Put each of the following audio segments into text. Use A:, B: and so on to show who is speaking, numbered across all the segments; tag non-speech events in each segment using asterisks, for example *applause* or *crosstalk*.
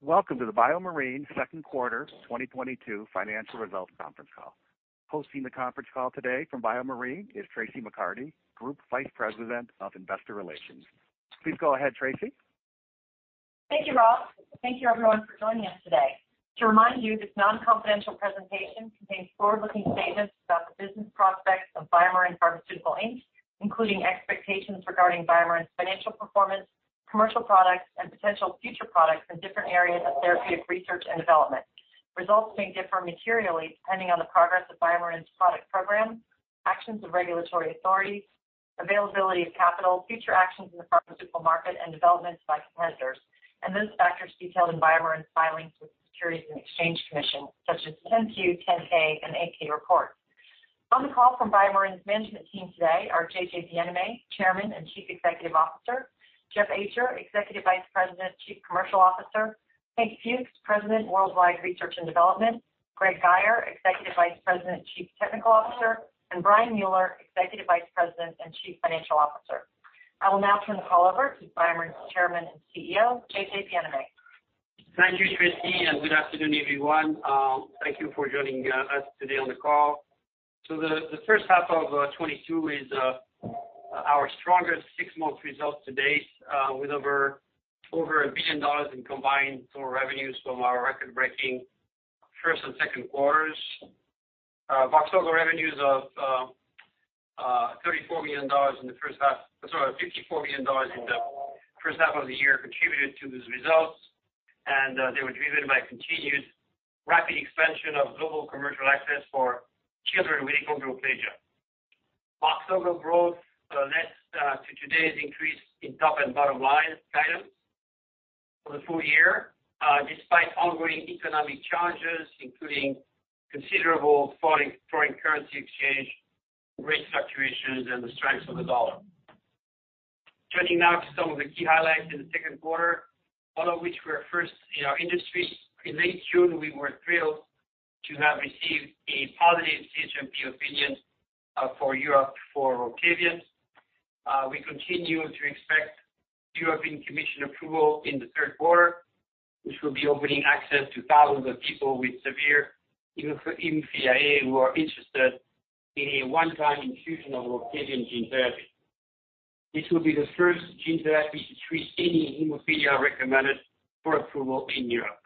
A: Welcome to the BioMarin second quarter 2022 financial results conference call. Hosting the conference call today from BioMarin is Traci McCarty, Group Vice President of Investor Relations. Please go ahead, Traci.
B: Thank you, Ross. Thank you everyone for joining us today. To remind you, this non-confidential presentation contains forward-looking statements about the business prospects of BioMarin Pharmaceutical Inc, including expectations regarding BioMarin's financial performance, commercial products, and potential future products in different areas of therapeutic research and development. Results may differ materially depending on the progress of BioMarin's product program, actions of regulatory authorities, availability of capital, future actions in the pharmaceutical market, and developments by competitors. Those factors detailed in BioMarin's filings with the Securities and Exchange Commission, such as 10-Q, 10-K, and 8-K reports. On the call from BioMarin's management team today are J.J Bienaimé, Chairman and Chief Executive Officer, Jeff Ajer, Executive Vice President, Chief Commercial Officer, Hank Fuchs, President, Worldwide Research and Development, Greg Guyer, Executive Vice President, Chief Technical Officer, and Brian Mueller, Executive Vice President and Chief Financial Officer. I will now turn the call over to BioMarin's Chairman and CEO, J.J Bienaimé.
C: Thank you, Traci, and good afternoon, everyone. Thank you for joining us today on the call. The first half of 2022 is our strongest six-month results to date, with over $1 billion in combined total revenues from our record-breaking first and second quarters. Voxzogo revenues of $34 million in the first half, sorry, $54 million in the first half of the year contributed to these results, and they were driven by continued rapid expansion of global commercial access for children with achondroplasia. Voxzogo growth led us to today's increase in top and bottom line items for the full year, despite ongoing economic challenges, including considerable foreign currency exchange rate fluctuations and the strength of the dollar. Turning now to some of the key highlights in the second quarter, all of which were first in our industry. In late June, we were thrilled to have received a positive CHMP opinion for Europe for Roctavian. We continue to expect European Commission approval in the third quarter, which will be opening access to thousands of people with severe hemophilia A who are interested in a one-time infusion of Roctavian gene therapy. This will be the first gene therapy to treat any hemophilia recommended for approval in Europe.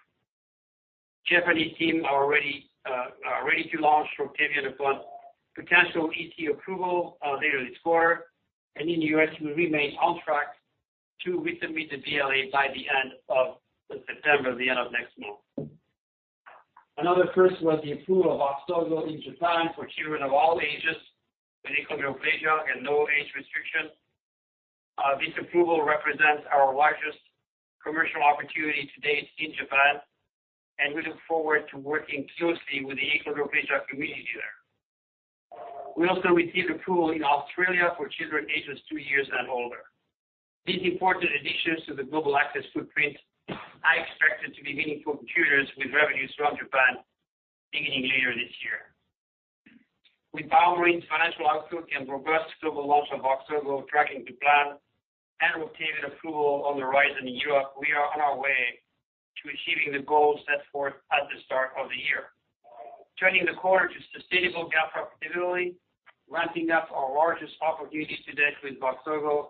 C: Japanese team are ready to launch Roctavian upon potential EU approval later this quarter. In the U.S., we remain on track to resubmit the BLA by the end of September, the end of next month. Another first was the approval of Voxzogo in Japan for children of all ages with achondroplasia and no age restriction. This approval represents our largest commercial opportunity to date in Japan, and we look forward to working closely with the achondroplasia community there. We also received approval in Australia for children ages two years and older. These important additions to the global access footprint are expected to be meaningful contributors with revenues from Japan beginning later this year. With BioMarin's financial outlook and robust global launch of Voxzogo tracking to plan and Roctavian approval on the rise in Europe, we are on our way to achieving the goals set forth at the start of the year. Turning the corner to sustainable GAAP profitability, ramping up our largest opportunities to date with Voxzogo,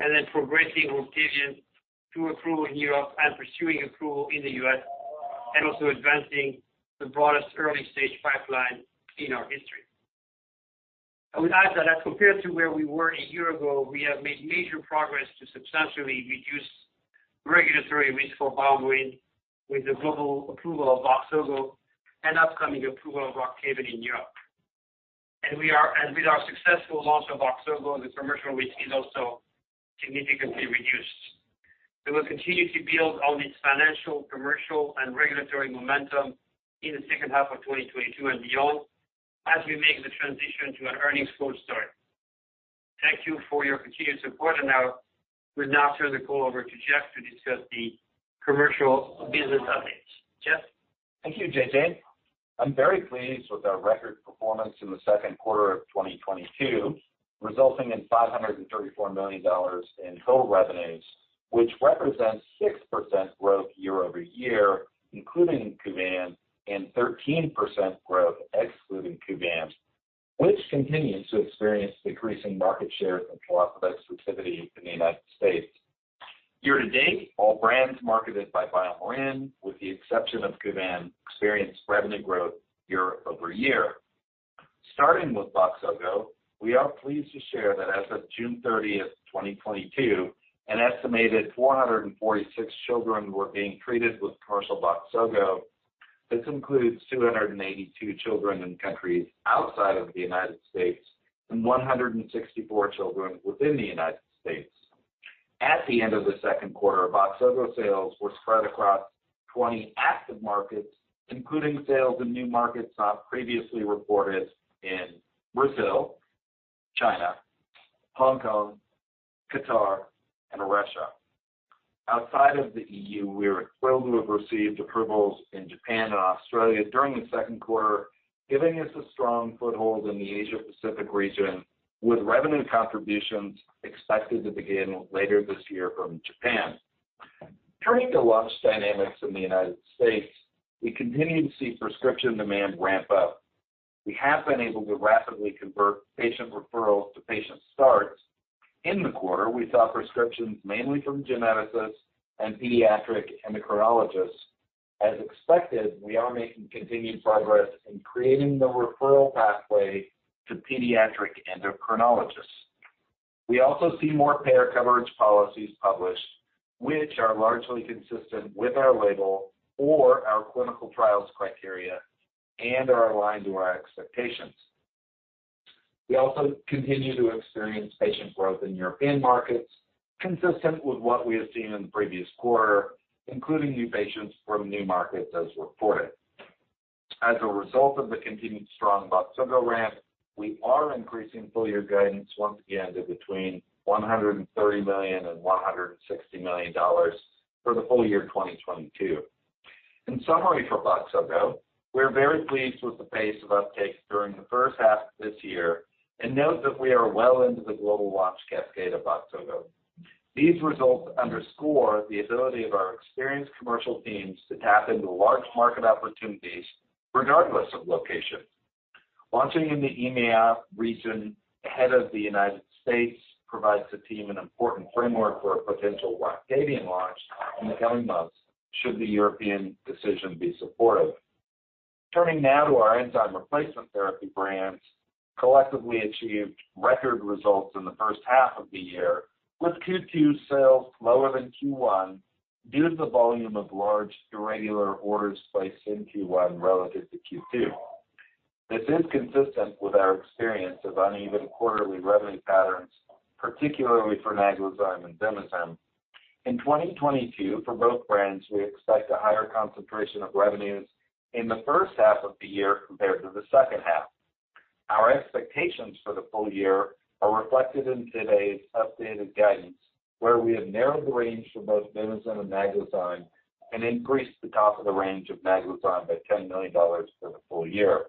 C: and then progressing Roctavian to approval in Europe and pursuing approval in the U.S., and also advancing the broadest early-stage pipeline in our history. I would add that as compared to where we were a year ago, we have made major progress to substantially reduce regulatory risk for BioMarin with the global approval of Voxzogo and upcoming approval of Roctavian in Europe. With our successful launch of Voxzogo, the commercial risk is also significantly reduced. We will continue to build on this financial, commercial, and regulatory momentum in the second half of 2022 and beyond as we make the transition to an earnings cold start. Thank you for your continued support, and I will now turn the call over to Jeff to discuss the commercial business updates. Jeff.
D: Thank you, J.J. I'm very pleased with our record performance in the second quarter of 2022, resulting in $534 million in total revenues, which represents 6% growth year-over-year, including Kuvan and 13% growth excluding Kuvan, which continues to experience decreasing market share and competitive exclusivity in the United States. Year to date, all brands marketed by BioMarin, with the exception of Kuvan, experienced revenue growth year-over-year. Starting with Voxzogo, we are pleased to share that as of June 30th, 2022, an estimated 446 children were being treated with commercial Voxzogo. This includes 282 children in countries outside of the United States and 164 children within the United States. At the end of the second quarter, Voxzogo sales were spread across 20 active markets, including sales in new markets not previously reported in Brazil, China, Hong Kong, Qatar, and Russia. Outside of the EU, we are thrilled to have received approvals in Japan and Australia during the second quarter, giving us a strong foothold in the Asia Pacific region, with revenue contributions expected to begin later this year from Japan. Turning to launch dynamics in the United States, we continue to see prescription demand ramp up. We have been able to rapidly convert patient referrals to patient starts. In the quarter, we saw prescriptions mainly from geneticists and pediatric endocrinologists. As expected, we are making continued progress in creating the referral pathway to pediatric endocrinologists. We also see more payer coverage policies published, which are largely consistent with our label or our clinical trials criteria and are aligned to our expectations. We also continue to experience patient growth in European markets consistent with what we have seen in the previous quarter, including new patients from new markets as reported. As a result of the continued strong Voxzogo ramp, we are increasing full-year guidance once again to between $130 million and $160 million for the full year 2022. In summary for Voxzogo, we are very pleased with the pace of uptake during the first half of this year and note that we are well into the global launch cascade of Voxzogo. These results underscore the ability of our experienced commercial teams to tap into large market opportunities regardless of location. Launching in the EMEA region ahead of the United States provides the team an important framework for a potential Roctavian launch in the coming months should the European decision be supportive. Turning now to our enzyme replacement therapy brands, collectively achieved record results in the first half of the year, with Q2 sales lower than Q1 due to the volume of large irregular orders placed in Q1 relative to Q2. This is consistent with our experience of uneven quarterly revenue patterns, particularly for Naglazyme and Vimizim. In 2022, for both brands, we expect a higher concentration of revenues in the first half of the year compared to the second half. Our expectations for the full year are reflected in today's updated guidance, where we have narrowed the range for both Vimizim and Naglazyme and increased the top of the range of Naglazyme by $10 million for the full year.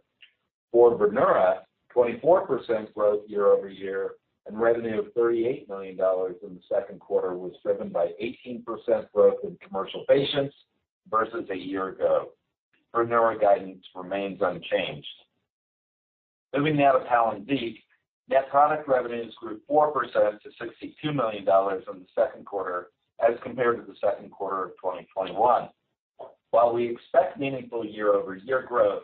D: For Brineura, 24% growth year-over-year and revenue of $38 million in the second quarter was driven by 18% growth in commercial patients versus a year ago. Brineura guidance remains unchanged. Moving now to Palynziq, net product revenues grew 4% to $62 million in the second quarter as compared to the second quarter of 2021. While we expect meaningful year-over-year growth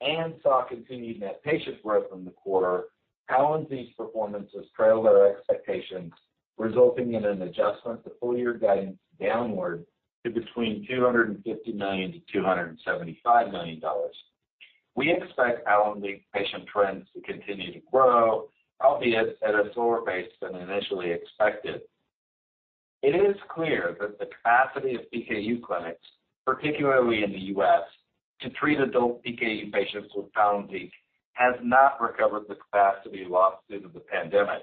D: and saw continued net patient growth in the quarter, Palynziq's performance has trailed our expectations, resulting in an adjustment to full-year guidance downward to between $250 million and $275 million. We expect Palynziq patient trends to continue to grow, albeit at a slower pace than initially expected. It is clear that the capacity of PKU clinics, particularly in the U.S., to treat adult PKU patients with Palynziq, has not recovered the capacity lost due to the pandemic.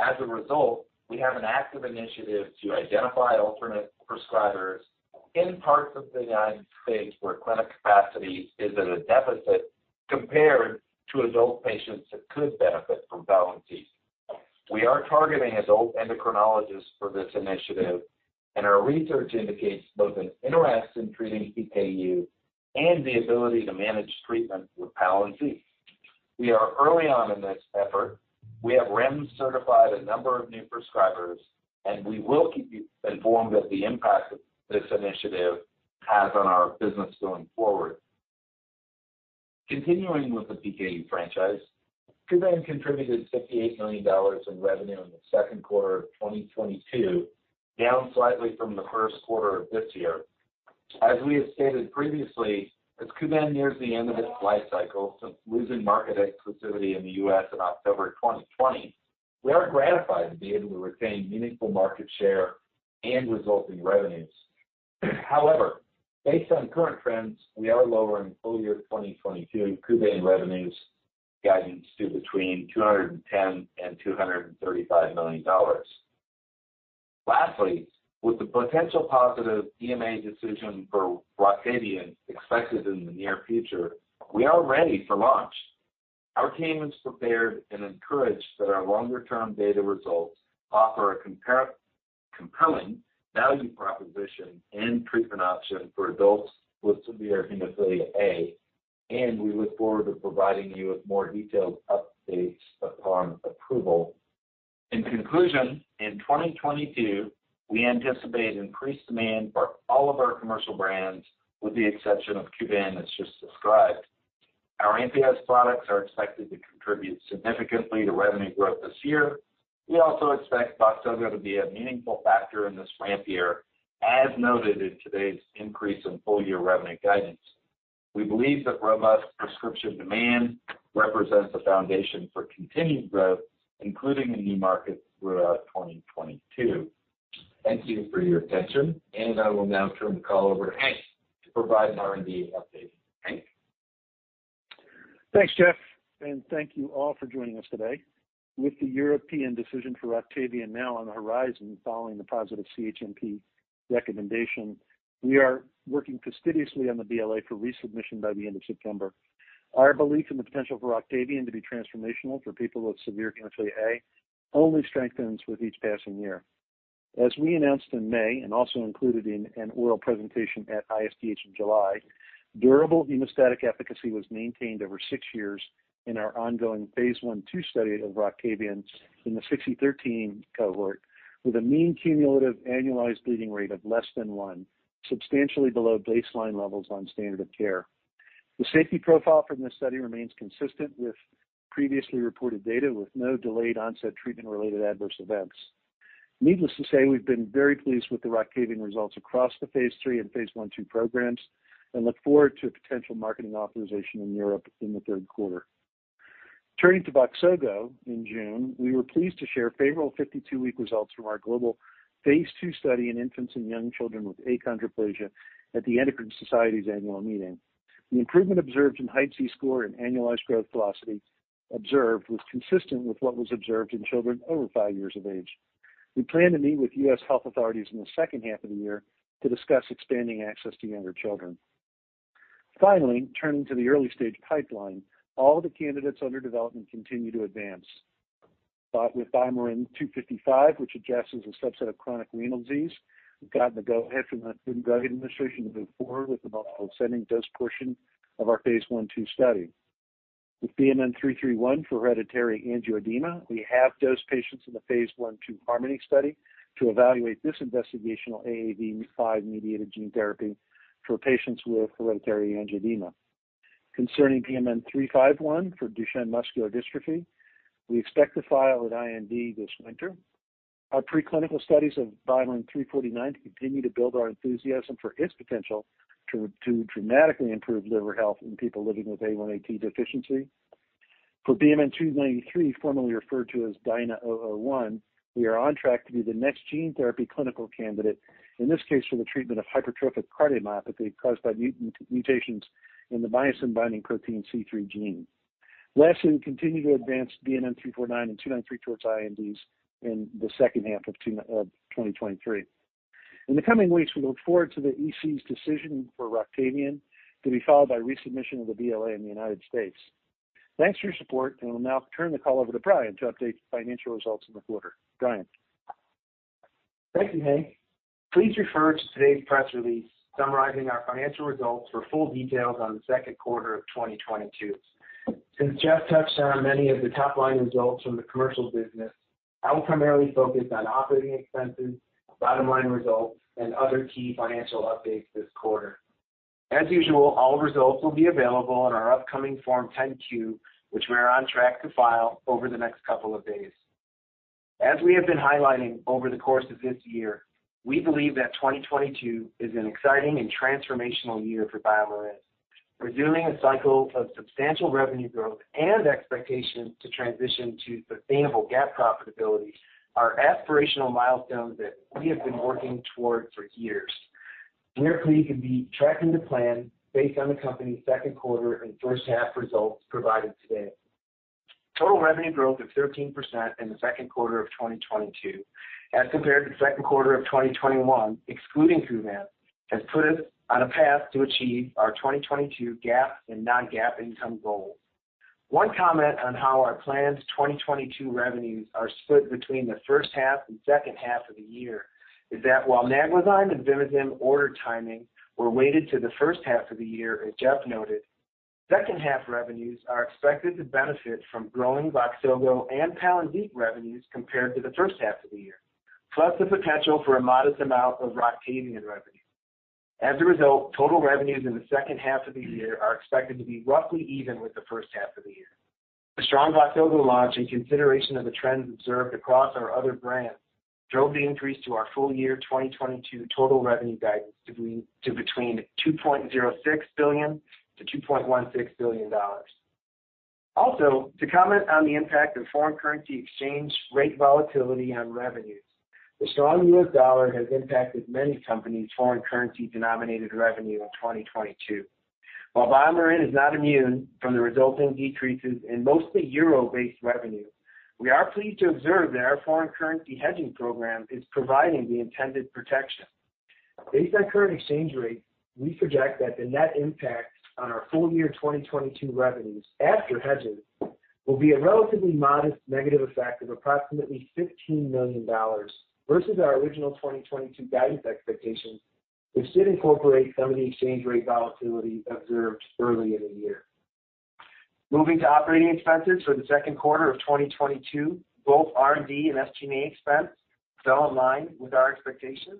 D: As a result, we have an active initiative to identify alternate prescribers in parts of the United States where clinic capacity is at a deficit compared to adult patients that could benefit from Palynziq. We are targeting adult endocrinologists for this initiative, and our research indicates both an interest in treating PKU and the ability to manage treatment with Palynziq. We are early on in this effort. We have REMS certified a number of new prescribers, and we will keep you informed of the impact this initiative has on our business going forward. Continuing with the PKU franchise, Kuvan contributed $58 million in revenue in the second quarter of 2022, down slightly from the first quarter of this year. As we have stated previously, as Kuvan nears the end of its life cycle since losing market exclusivity in the U.S. in October 2020, we are gratified to be able to retain meaningful market share and resulting revenues. However, based on current trends, we are lowering full-year 2022 Kuvan revenues guidance to between $210 million and $235 million. Lastly, with the potential positive EMA decision for Roctavian expected in the near future, we are ready for launch. Our team is prepared and encouraged that our longer-term data results offer a compelling value proposition and treatment option for adults with severe hemophilia A, and we look forward to providing you with more detailed updates upon approval. In conclusion, in 2022, we anticipate increased demand for all of our commercial brands, with the exception of Kuvan, as just described. Our NPS products are expected to contribute significantly to revenue growth this year. We also expect Voxzogo to be a meaningful factor in this ramp year, as noted in today's increase in full-year revenue guidance. We believe that robust prescription demand represents the foundation for continued growth, including in new markets throughout 2022. Thank you for your attention, and I will now turn the call over to Hank to provide an R&D update. Hank?
E: Thanks, Jeff, and thank you all for joining us today. With the European decision for Roctavian now on the horizon following the positive CHMP recommendation, we are working fastidiously on the BLA for resubmission by the end of September. Our belief in the potential for Roctavian to be transformational for people with severe hemophilia A only strengthens with each passing year. As we announced in May and also included in an oral presentation at ISTH in July, durable hemostatic efficacy was maintained over six years in our ongoing phase I, phase II study of Roctavian in the 6e13 cohort, with a mean cumulative annualized bleeding rate of less than one, substantially below baseline levels on standard of care. The safety profile from this study remains consistent with previously reported data, with no delayed onset treatment-related adverse events. Needless to say, we've been very pleased with the Roctavian results across the phase III and phase I, II programs and look forward to a potential marketing authorization in Europe in the third quarter. Turning to Voxzogo in June, we were pleased to share favorable 52-week results from our global phase II study in infants and young children with achondroplasia at the Endocrine Society's annual meeting. The improvement observed in height Z-score and annualized growth velocity observed was consistent with what was observed in children over five years of age. We plan to meet with US health authorities in the second half of the year to discuss expanding access to younger children. Finally, turning to the early-stage pipeline, all the candidates under development continue to advance. Start with BioMarin 255, which addresses a subset of chronic renal disease. We've gotten the go-ahead from the Food and Drug Administration to move forward with the highest dose portion of our phase I/II study. With BMN 331 for hereditary angioedema, we have dosed patients in the phase I/II HARMONY study to evaluate this investigational AAV5-mediated gene therapy for patients with hereditary angioedema. Concerning BMN 351 for Duchenne muscular dystrophy, we expect to file an IND this winter. Our preclinical studies of BioMarin 349 continue to build our enthusiasm for its potential to dramatically improve liver health in people living with AATD. For BMN 293, formerly referred to as DYNA-001, we are on track to be the next gene therapy clinical candidate, in this case for the treatment of hypertrophic cardiomyopathy caused by mutations in the Myosin-Binding Protein C3 gene. Lastly, we continue to advance BMN 349 and 293 towards INDs in the second half of 2023. In the coming weeks, we look forward to the EC's decision for Roctavian to be followed by resubmission of the BLA in the United States. Thanks for your support, and we'll now turn the call over to Brian to update the financial results in the quarter. Brian.
F: Thank you, Hank. Please refer to today's press release summarizing our financial results for full details on the second quarter of 2022. Since Jeff touched on many of the top-line results from the commercial business, I will primarily focus on operating expenses, bottom-line results, and other key financial updates this quarter. As usual, all results will be available in our upcoming Form 10-Q, which we're on track to file over the next couple of days. As we have been highlighting over the course of this year, we believe that 2022 is an exciting and transformational year for BioMarin. Resuming a cycle of substantial revenue growth and expectations to transition to sustainable GAAP profitability are aspirational milestones that we have been working toward for years. Here we can see we're tracking the plan based on the company's second quarter and first half results provided today. Total revenue growth of 13% in the second quarter of 2022 as compared to the second quarter of 2021, excluding Kuvan, has put us on a path to achieve our 2022 GAAP and non-GAAP income goals. One comment on how our planned 2022 revenues are split between the first half and second half of the year is that while Naglazyme and Vimizim order timing were weighted to the first half of the year, as Jeff noted, second half revenues are expected to benefit from growing Voxzogo and Palynziq revenues compared to the first half of the year, plus the potential for a modest amount of Roctavian revenue. As a result, total revenues in the second half of the year are expected to be roughly even with the first half of the year. The strong Voxzogo launch and consideration of the trends observed across our other brands drove the increase to our full year 2022 total revenue guidance to be between $2.06 billion-$2.16 billion. Also, to comment on the impact of foreign currency exchange rate volatility on revenues. The strong US dollar has impacted many companies' foreign currency-denominated revenue in 2022. While BioMarin is not immune from the resulting decreases in mostly euro-based revenue, we are pleased to observe that our foreign currency hedging program is providing the intended protection. Based on current exchange rates, we project that the net impact on our full year 2022 revenues after hedging will be a relatively modest negative effect of approximately $15 million versus our original 2022 guidance expectations, which did incorporate some of the exchange rate volatility observed early in the year. Moving to operating expenses for the second quarter of 2022, both R&D and SG&A expense fell in line with our expectations.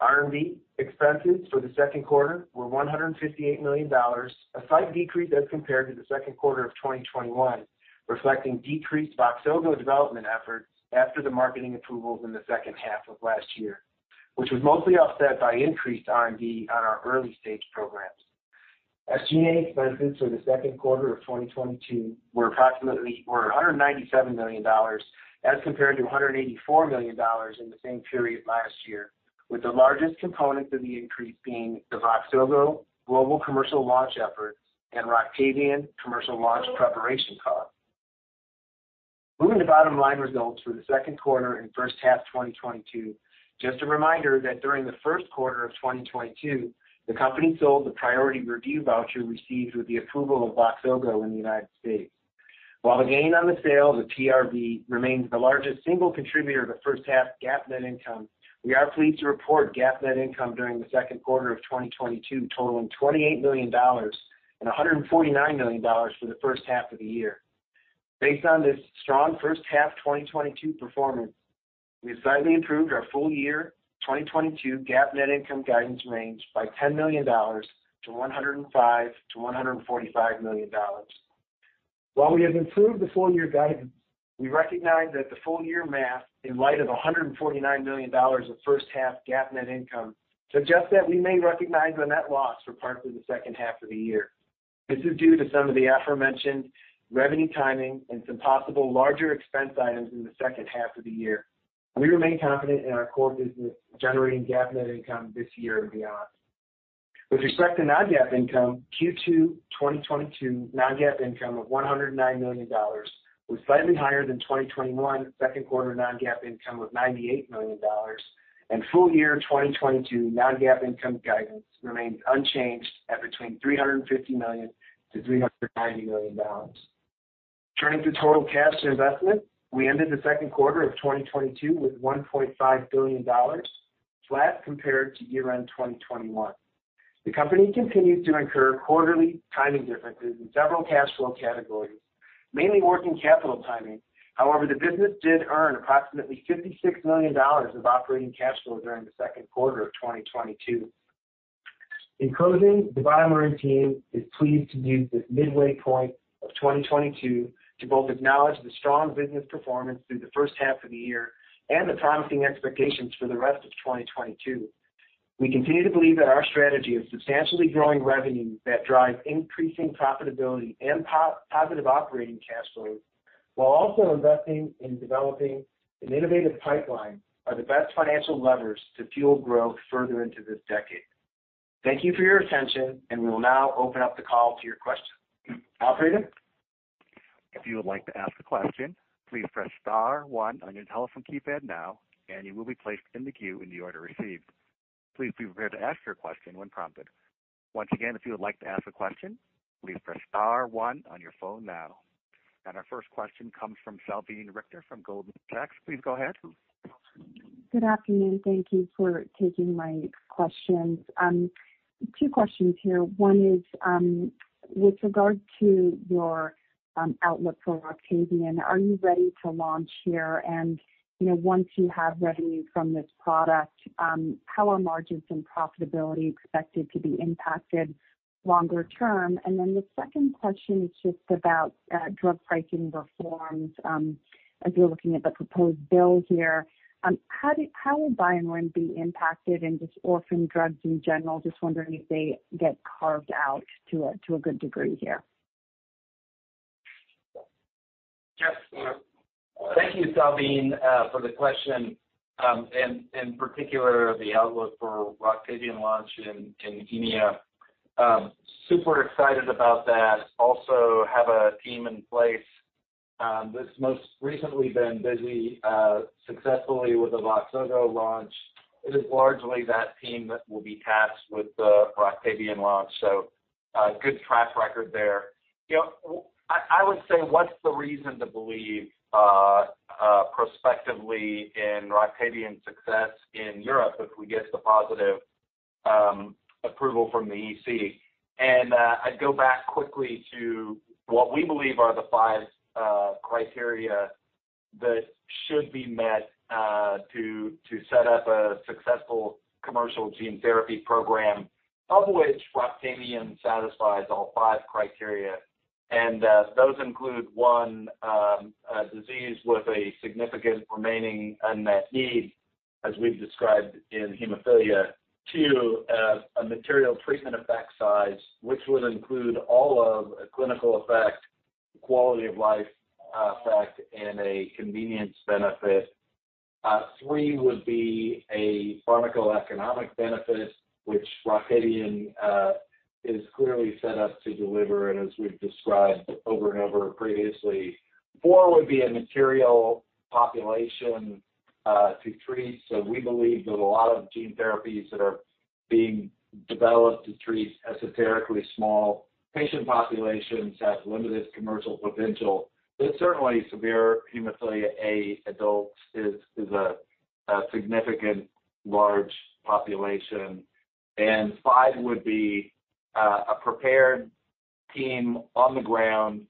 F: R&D expenses for the second quarter were $158 million, a slight decrease as compared to the second quarter of 2021, reflecting decreased Voxzogo development efforts after the marketing approvals in the second half of last year, which was mostly offset by increased R&D on our early-stage programs. SG&A expenses for the second quarter of 2022 were $197 million as compared to $184 million in the same period last year, with the largest component of the increase being the Voxzogo global commercial launch efforts and Roctavian commercial launch preparation costs. Moving to bottom line results for the second quarter and first half 2022. Just a reminder that during the first quarter of 2022, the company sold the priority review voucher received with the approval of Voxzogo in the United States. While the gain on the sale of the PRV remains the largest single contributor of the first half GAAP net income, we are pleased to report GAAP net income during the second quarter of 2022 totaling $28 million and $149 million for the first half of the year. Based on this strong first half 2022 performance, we've slightly improved our full year 2022 GAAP net income guidance range by $10 million to $105 million-$145 million. While we have improved the full-year guidance, we recognize that the full-year math, in light of $149 million of first half GAAP net income, suggests that we may recognize a net loss for parts of the second half of the year. This is due to some of the aforementioned revenue timing and some possible larger expense items in the second half of the year. We remain confident in our core business generating GAAP net income this year and beyond. With respect to non-GAAP income, Q2 2022 non-GAAP income of $109 million was slightly higher than 2021 second quarter non-GAAP income of $98 million. Full year 2022 non-GAAP income guidance remains unchanged at between $350 million-$390 million. Turning to total cash and investments, we ended the second quarter of 2022 with $1.5 billion, flat compared to year-end 2021. The company continues to incur quarterly timing differences in several cash flow categories, mainly working capital timing. However, the business did earn approximately $56 million of operating cash flow during the second quarter of 2022. In closing, the BioMarin team is pleased to use this midway point of 2022 to both acknowledge the strong business performance through the first half of the year and the promising expectations for the rest of 2022. We continue to believe that our strategy of substantially growing revenue that drives increasing profitability and positive operating cash flows while also investing in developing an innovative pipeline are the best financial levers to fuel growth further into this decade. Thank you for your attention, and we will now open up the call to your questions. Operator?
A: If you would like to ask a question, please press star one on your telephone keypad now and you will be placed in the queue in the order received. Please be prepared to ask your question when prompted. Once again, if you would like to ask a question, please press star one on your phone now. Our first question comes from Salveen Richter from Goldman Sachs. Please go ahead.
G: Good afternoon. Thank you for taking my questions. Two questions here. One is, with regard to your outlook for Roctavian, are you ready to launch here? You know, once you have revenue from this product, how are margins and profitability expected to be impacted longer term? The second question is just about drug pricing reforms. As you're looking at the proposed bill here, how will BioMarin be impacted, and just orphan drugs in general, just wondering if they get carved out to a good degree here?
D: Yes. Thank you, Salveen, for the question. In particular, the outlook for Roctavian launch in EMEA. Super excited about that. Also have a team in place that's most recently been busy successfully with the Voxzogo launch. It is largely that team that will be tasked with the Roctavian launch. So a good track record there. You know, I would say, what's the reason to believe prospectively in Roctavian success in Europe if we get the positive approval from the EC? I'd go back quickly to what we believe are the five criteria that should be met to set up a successful commercial gene therapy program, of which Roctavian satisfies all 5 criteria. Those include one, a disease with a significant remaining unmet need, as we've described in hemophilia. Two, a material treatment effect size, which would include all of a clinical effect, quality of life, effect, and a convenience benefit. Three would be a pharmacoeconomic benefit, which Roctavian is clearly set up to deliver, and as we've described over and over previously. Four would be a material population to treat. We believe that a lot of gene therapies that are being developed to treat esoterically small patient populations has limited commercial potential. Certainly severe hemophilia A adults is a significant large population. Five would be a prepared team on the ground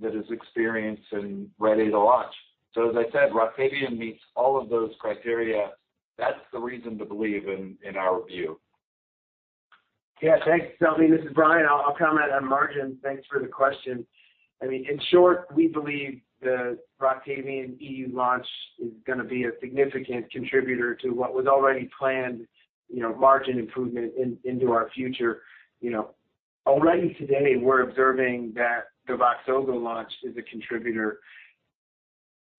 D: that is experienced and ready to launch. As I said, Roctavian meets all of those criteria. That's the reason to believe in our view.
F: Yeah. Thanks, Salveen. This is Brian. I'll comment on margin. Thanks for the question. I mean, in short, we believe the Roctavian EU launch is gonna be a significant contributor to what was already planned, you know, margin improvement into our future, you know. Already today, we're observing that the Voxzogo launch is a contributor.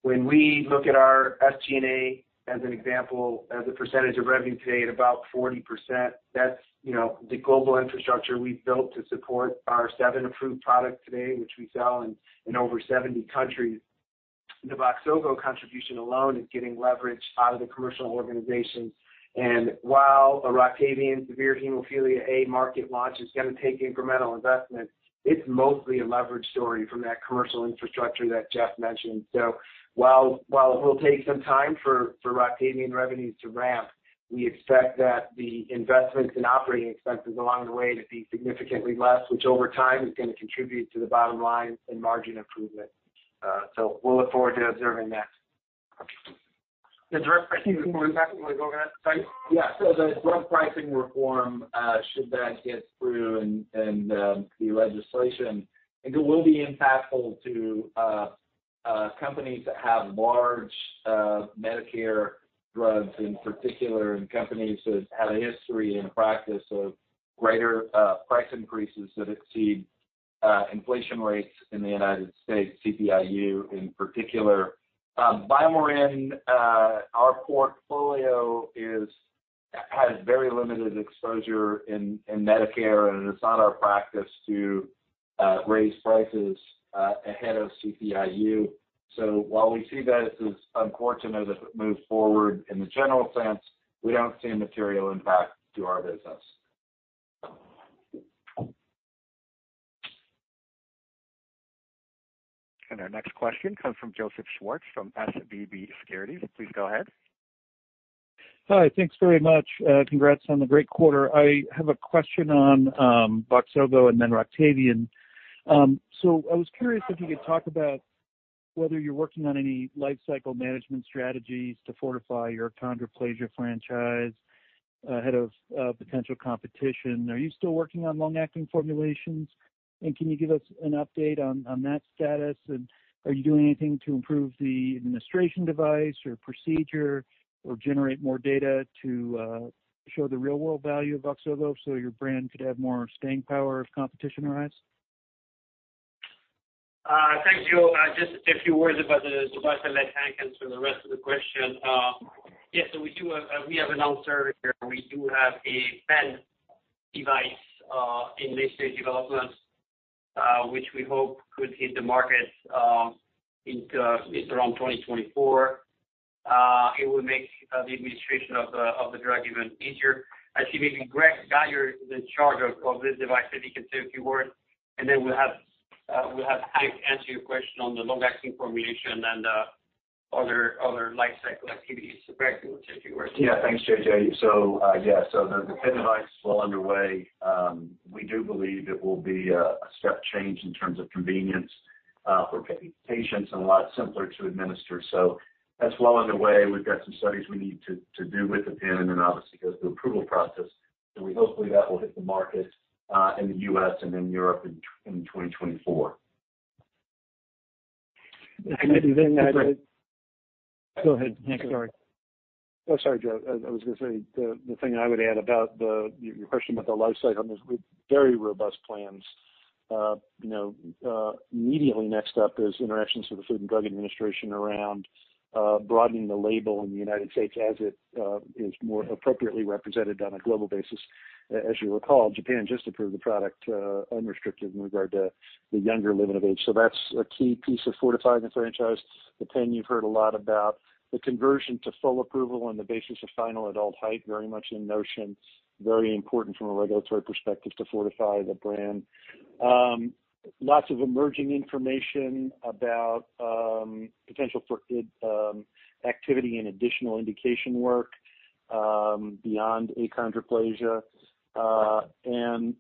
F: When we look at our SG&A, as an example, as a percentage of revenue today at about 40%, that's, you know, the global infrastructure we've built to support our seven approved products today, which we sell in over 70 countries. The Voxzogo contribution alone is getting leverage out of the commercial organization. While a Roctavian severe hemophilia A market launch is going to take incremental investment, it's mostly a leverage story from that commercial infrastructure that Jeff mentioned. While it will take some time for Roctavian revenues to ramp, we expect that the investments in operating expenses along the way to be significantly less, which over time is going to contribute to the bottom line and margin improvement. We'll look forward to observing that.
C: The direct pricing reform, you want to go ahead, Hank?
E: Yeah. The drug pricing reform should that get through and the legislation, it will be impactful to companies that have large Medicare drugs in particular, and companies that have a history and practice of greater price increases that exceed inflation rates in the United States, CPI-U in particular. BioMarin, our portfolio has very limited exposure in Medicare, and it's not our practice to raise prices ahead of CPI-U. While we see this as unfortunate as it moves forward in the general sense, we don't see a material impact to our business.
A: Our next question comes from Joseph Schwartz from SVB Securities. Please go ahead.
H: Hi. Thanks very much. Congrats on the great quarter. I have a question on Voxzogo and then Roctavian. I was curious if you could talk about whether you're working on any life cycle management strategies to fortify your achondroplasia franchise ahead of potential competition. Are you still working on long-acting formulations? Can you give us an update on that status? Are you doing anything to improve the administration device or procedure or generate more data to show the real-world value of Voxzogo so your brand could have more staying power if competition arise?
C: Thanks, Joe. Just a few words about the device, and let Hank answer the rest of the question. We have announced earlier, we do have a pen device in research development, which we hope could hit the market into 2024. It would make the administration of the drug even easier. Actually, maybe Greg Guyer is in charge of this device. Maybe he can say a few words, and then we'll have Hank answer your question on the long-acting formulation and other life cycle activities. Greg, do you want to say a few words?
I: Thanks, J.J. The pen device is well underway. We do believe it will be a step change in terms of convenience for patients and a lot simpler to administer. That's well underway. We've got some studies we need to do with the pen and then obviously go through approval process. Hopefully that will hit the market in the U.S. and in Europe in 2024.
E: If I may add.
C: Go ahead, Hank. Sorry.
E: Oh, sorry, Joe. I was gonna say the thing I would add about your question about the life cycle, and there are very robust plans. You know, immediately next up is interactions with the Food and Drug Administration around broadening the label in the United States as it is more appropriately represented on a global basis. As you recall, Japan just approved the product, unrestricted in regard to the younger limit of age. So that's a key piece of fortifying the franchise. The pen you've heard a lot about. The conversion to full approval on the basis of final adult height, very much in motion, very important from a regulatory perspective to fortify the brand. Lots of emerging information about potential for activity and additional indication work beyond achondroplasia.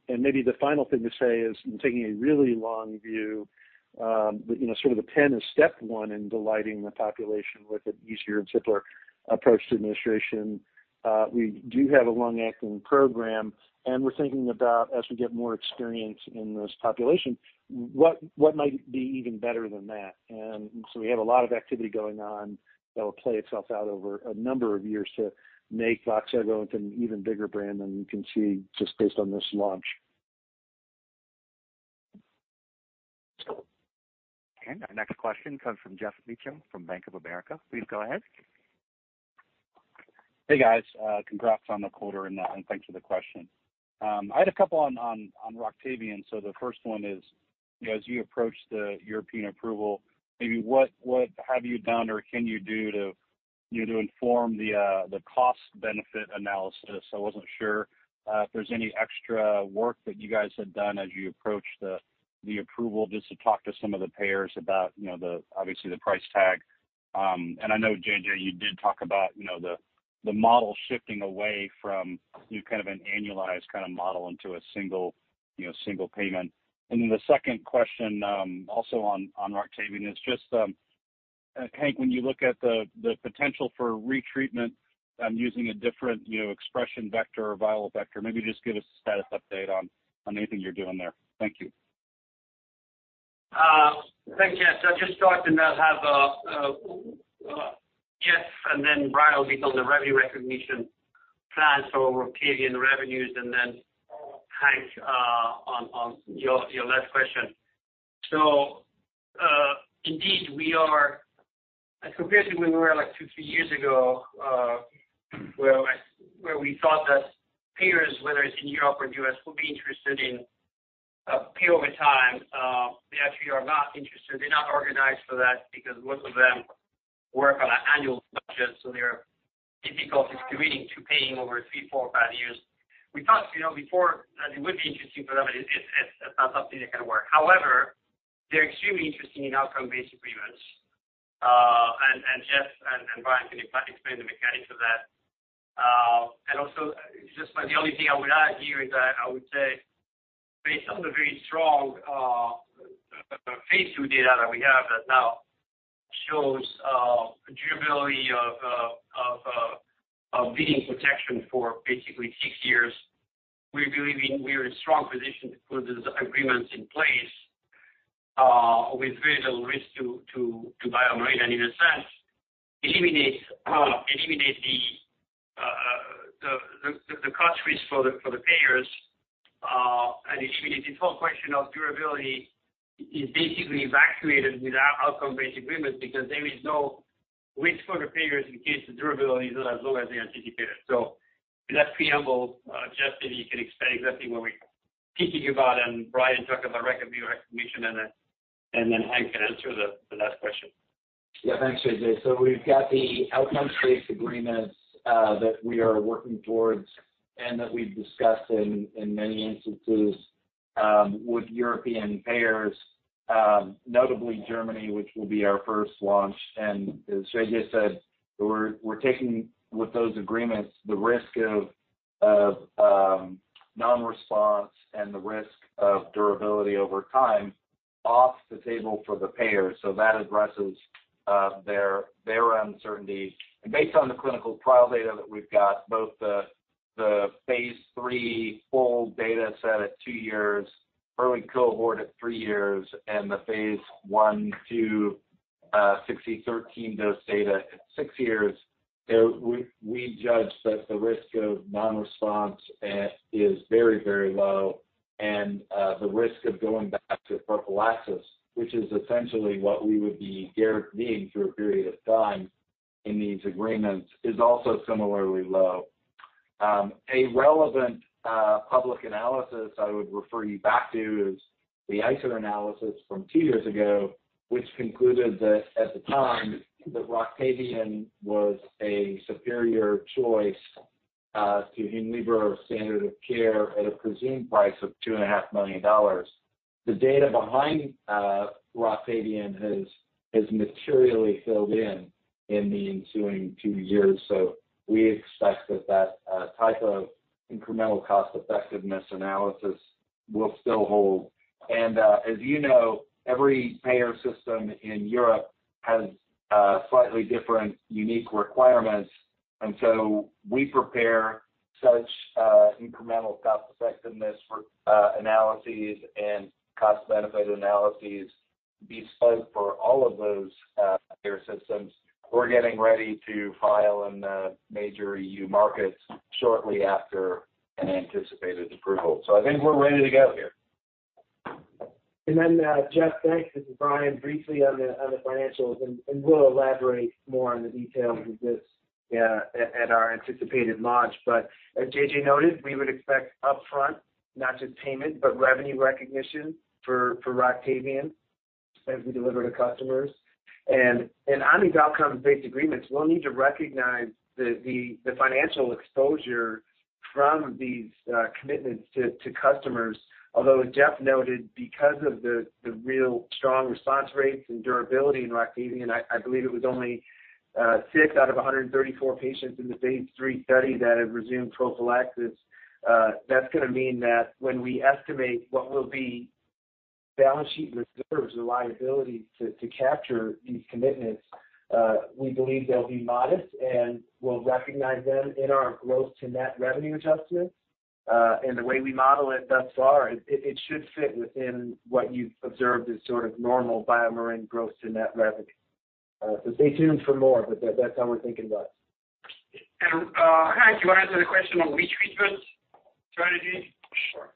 E: Maybe the final thing to say is in taking a really long view, you know, sort of the pen is step one in delighting the population with an easier and simpler approach to administration. We do have a long-acting program, and we're thinking about as we get more experience in this population, what might be even better than that. We have a lot of activity going on that will play itself out over a number of years to make Voxzogo into an even bigger brand than you can see just based on this launch.
A: Our next question comes from Geoff Meacham from Bank of America. Please go ahead.
J: Hey, guys. Congrats on the quarter and thanks for the question. I had a couple on Roctavian. The first one is, you know, as you approach the European approval, maybe what have you done or can you do to, you know, inform the cost-benefit analysis? I wasn't sure if there's any extra work that you guys had done as you approach the approval just to talk to some of the payers about, you know, obviously the price tag. I know, J.J, you did talk about, you know, the model shifting away from, you know, kind of an annualized kinda model into a single, you know, single payment. Then the second question, also on Roctavian, is just, Hank, when you look at the potential for retreatment using a different, you know, expression vector or viral vector, maybe just give us a status update on anything you're doing there. Thank you.
C: Thanks, Jeff. I'll just start and then have Jeff and then Brian on the revenue recognition plans for Roctavian revenues and then Hank on your last question. Indeed. And compared to where we were, like, two, three years ago, where we thought that payers, whether it's in Europe or U.S., will be interested in pay over time, they actually are not interested. They're not organized for that because most of them work on an annual budget, so it's difficult committing to paying over three, four, five years. We thought, you know, before that it would be interesting for them, but it's not something that can work. However, they're extremely interested in outcome-based agreements. Jeff and Brian can explain the mechanics of that. also just the only thing I would add here is that I would say based on the very strong phase II data that we have that now shows durability of bleeding protection for basically six years, we believe we are in a strong position to put those agreements in place with very little risk to BioMarin. In a sense eliminates the cost risk for the payers and eliminates the whole question of durability is basically alleviated with outcome-based agreements because there is no risk for the payers in case the durability is not as high as they anticipated. With that preamble, Jeff, maybe you can explain exactly what we're thinking about, and Brian talk about revenue recognition and then Hank can answer the last question.
D: Yeah. Thanks, J.J. We've got the outcome-based agreements that we are working towards and that we've discussed in many instances with European payers, notably Germany, which will be our first launch. As J.J said, we're taking with those agreements the risk of non-response and the risk of durability over time off the table for the payers. That addresses their uncertainty. Based on the clinical trial data that we've got, both the phase III full data set at two years, early cohort at three years, and the phase I/II 6e13 dose data at six years, we judge that the risk of non-response is very, very low. The risk of going back to prophylaxis, which is essentially what we would be guaranteeing through a period of time in these agreements, is also similarly low. A relevant public analysis I would refer you back to is the ICER analysis from two years ago, which concluded that at the time that Roctavian was a superior choice to Hemlibra standard of care at a presumed price of $2.5 million. The data behind Roctavian has materially filled in in the ensuing two years. We expect that type of incremental cost effectiveness analysis will still hold. As you know, every payer system in Europe has slightly different unique requirements. We prepare such incremental cost effectiveness analyses and cost benefit analyses bespoke for all of those payer systems. We're getting ready to file in the major E.U. markets shortly after an anticipated approval. I think we're ready to go here.
F: Jeff, thanks. This is Brian. Briefly on the financials, and we'll elaborate more on the details of this.
D: Yeah
F: At our anticipated launch. As J.J noted, we would expect upfront not just payment, but revenue recognition for Roctavian as we deliver to customers. On these outcome-based agreements, we'll need to recognize the financial exposure from these commitments to customers. Although Jeff noted because of the real strong response rates and durability in Roctavian, I believe it was only six out of 134 patients in the phase III study that have resumed prophylaxis. That's gonna mean that when we estimate what will be balance sheet reserves or liability to capture these commitments, we believe they'll be modest, and we'll recognize them in our gross and net revenue adjustments. The way we model it thus far, it should fit within what you've observed as sort of normal BioMarin gross and net revenue. Stay tuned for more, but that's how we're thinking about it.
C: Hank, you wanna answer the question on re-treatment strategy?
E: Sure.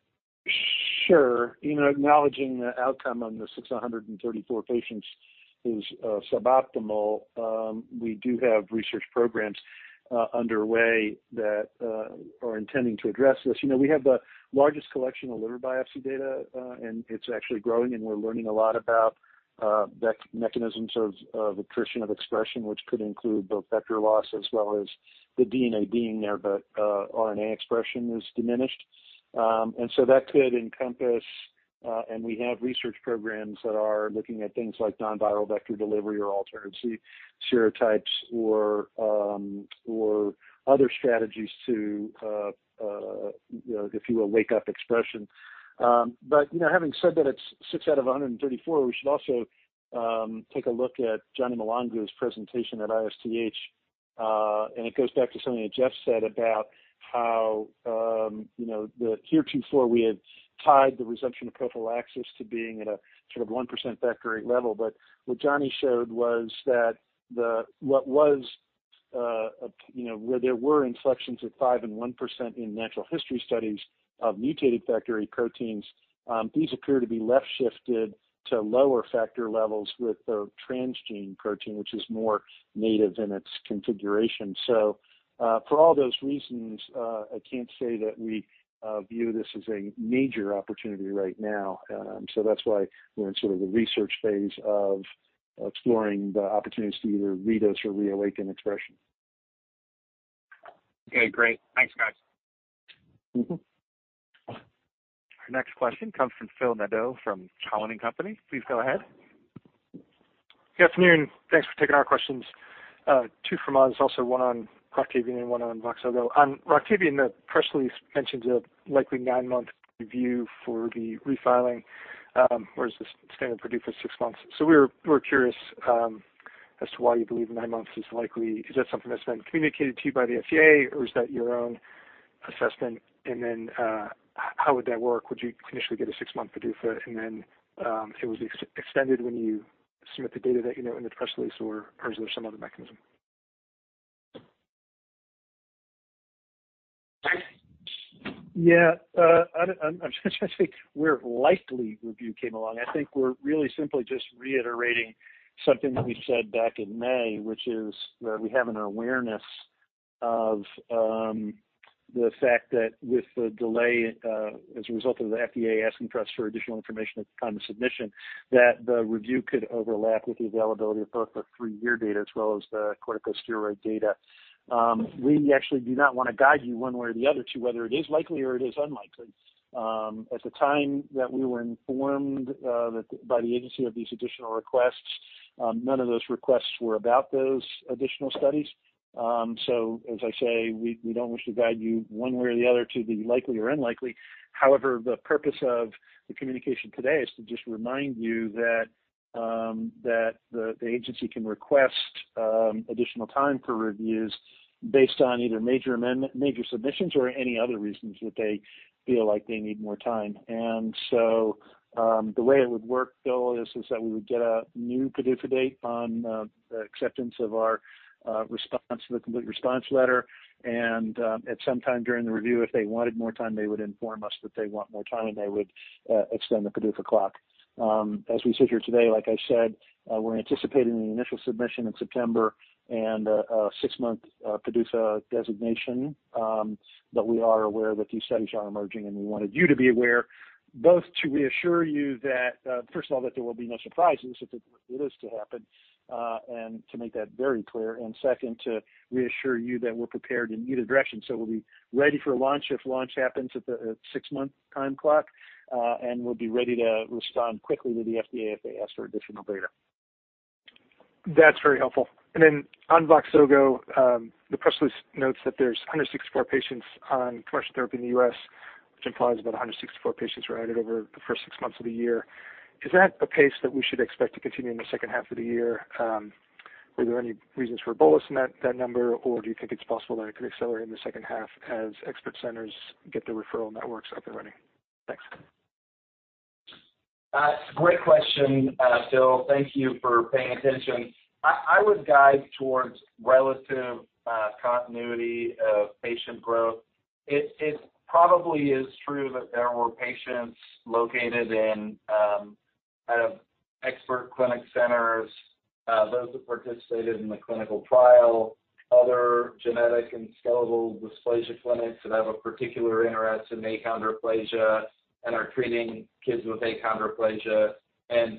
E: Sure. You know, acknowledging the outcome on the 634 patients is suboptimal. We do have research programs underway that are intending to address this. You know, we have the largest collection of liver biopsy data, and it's actually growing, and we're learning a lot about mechanisms of attrition of expression, which could include both vector loss as well as the DNA being there, but RNA expression is diminished. That could encompass, and we have research programs that are looking at things like non-viral vector delivery or alternative serotypes or other strategies to, you know, if you will, wake up expression. But, you know, having said that it's six out of 134, we should also take a look at Johnny Mahlangu's presentation at ISTH. It goes back to something that Jeff Ajer said about how, you know, the tier 24, we had tied the resumption of prophylaxis to being at a sort of 1% Factor VIII level. What Johnny showed was that you know, where there were inflections of 5% and 1% in natural history studies of mutated Factor VIII proteins, these appear to be left shifted to lower factor levels with the transgene protein, which is more native in its configuration. For all those reasons, I can't say that we view this as a major opportunity right now. That's why we're in sort of the research phase of exploring the opportunity to either redose or reawaken expression.
J: Okay, great. Thanks, guys.
E: Mm-hmm.
A: Our next question comes from Phil Nadeau from Cowen and Company. Please go ahead.
K: Good afternoon. Thanks for taking our questions. Two from us also, one on Roctavian and one on Voxzogo. On Roctavian, the press release mentions a likely nine-month review for the refiling, whereas the standard period for 6 months. We're curious as to why you believe nine months is likely. Is that something that's been communicated to you by the FDA, or is that your own assessment? How would that work? Would you initially get a six-month PDUFA, and then it would be extended when you submit the data that you know in the press release, or is there some other mechanism?
E: Yeah. I'm trying to think where likely review came along. I think we're really simply just reiterating something that we said back in May, which is where we have an awareness of the fact that with the delay as a result of the FDA asking us for additional information at the time of submission, that the review could overlap with the availability of both the three-year data as well as the corticosteroid data. We actually do not wanna guide you one way or the other to whether it is likely or it is unlikely. At the time that we were informed that by the agency of these additional requests, none of those requests were about those additional studies. As I say, we don't wish to guide you one way or the other to be likely or unlikely. However, the purpose of the communication today is to just remind you that the agency can request additional time for reviews based on either major amendment, major submissions or any other reasons that they feel like they need more time. The way it would work, Phil, is that we would get a new PDUFA date on the acceptance of our response to the complete response letter. At some time during the review, if they wanted more time, they would inform us that they want more time, and they would extend the PDUFA clock. As we sit here today, like I said, we're anticipating an initial submission in September and a six-month PDUFA designation. We are aware that these studies are emerging, and we wanted you to be aware, both to reassure you that, first of all, that there will be no surprises if it is to happen, and to make that very clear. Second, to reassure you that we're prepared in either direction. We'll be ready for launch if launch happens at the six-month time clock, and we'll be ready to respond quickly to the FDA if they ask for additional data.
K: That's very helpful. On Voxzogo, the press release notes that there's 164 patients on commercial therapy in the U.S., which implies about 164 patients were added over the first six months of the year. Is that a pace that we should expect to continue in the second half of the year? Were there any reasons for ballooning that number, or do you think it's possible that it could accelerate in the second half as expert centers get their referral networks up and running? Thanks.
C: Great question, Phil. Thank you for paying attention. I would guide towards relative continuity of patient growth. It probably is true that there were patients located in kind of expert clinic centers, those that participated in the clinical trial, other genetic and skeletal dysplasia clinics that have a particular interest in achondroplasia and are treating kids with achondroplasia.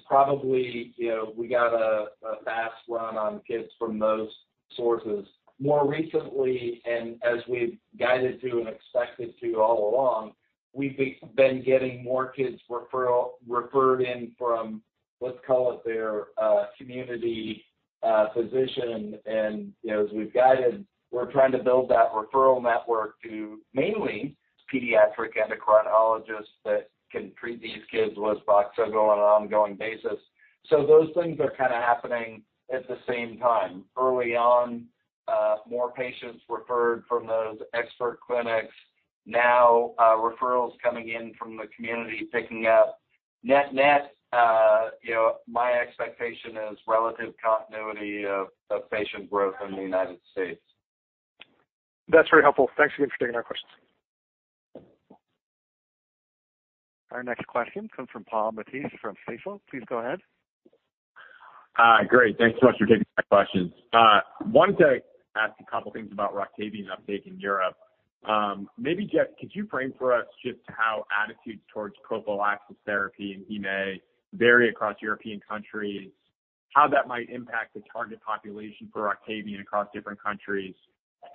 C: Probably, you know, we got a fast run on kids from those sources. More recently, as we've guided through and expected to all along, we've been getting more kids referred in from, let's call it their community physician. You know, as we've guided, we're trying to build that referral network to mainly pediatric endocrinologists that can treat these kids with Voxzogo on an ongoing basis. Those things are kinda happening at the same time. Early on, more patients referred from those expert clinics. Now, referrals coming in from the community picking up. Net, you know, my expectation is relative continuity of patient growth in the United States.
K: That's very helpful. Thanks again for taking our questions.
A: Our next question comes from Paul Matteis from Stifel. Please go ahead.
L: Hi. Great. Thanks so much for taking my questions. Wanted to ask a couple things about Roctavian uptake in Europe. Maybe, Jeff, could you frame for us just how attitudes towards prophylaxis therapy in EMEA vary across European countries, how that might impact the target population for Roctavian across different countries?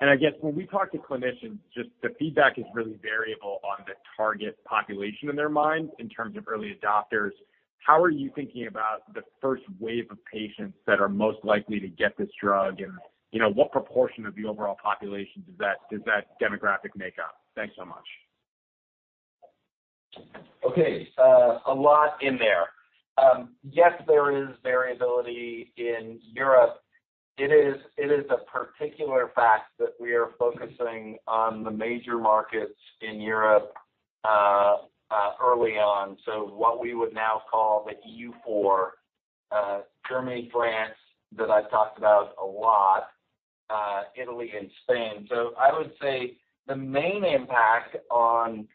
L: I guess when we talk to clinicians, just the feedback is really variable on the target population in their minds in terms of early adopters. How are you thinking about the first wave of patients that are most likely to get this drug? You know, what proportion of the overall population does that demographic make up? Thanks so much.
D: Okay. A lot in there. Yes, there is variability in Europe. It is a particular fact that we are focusing on the major markets in Europe. Early on. What we would now call the EU4, Germany, France, that I've talked about a lot, Italy and Spain. I would say the main impact on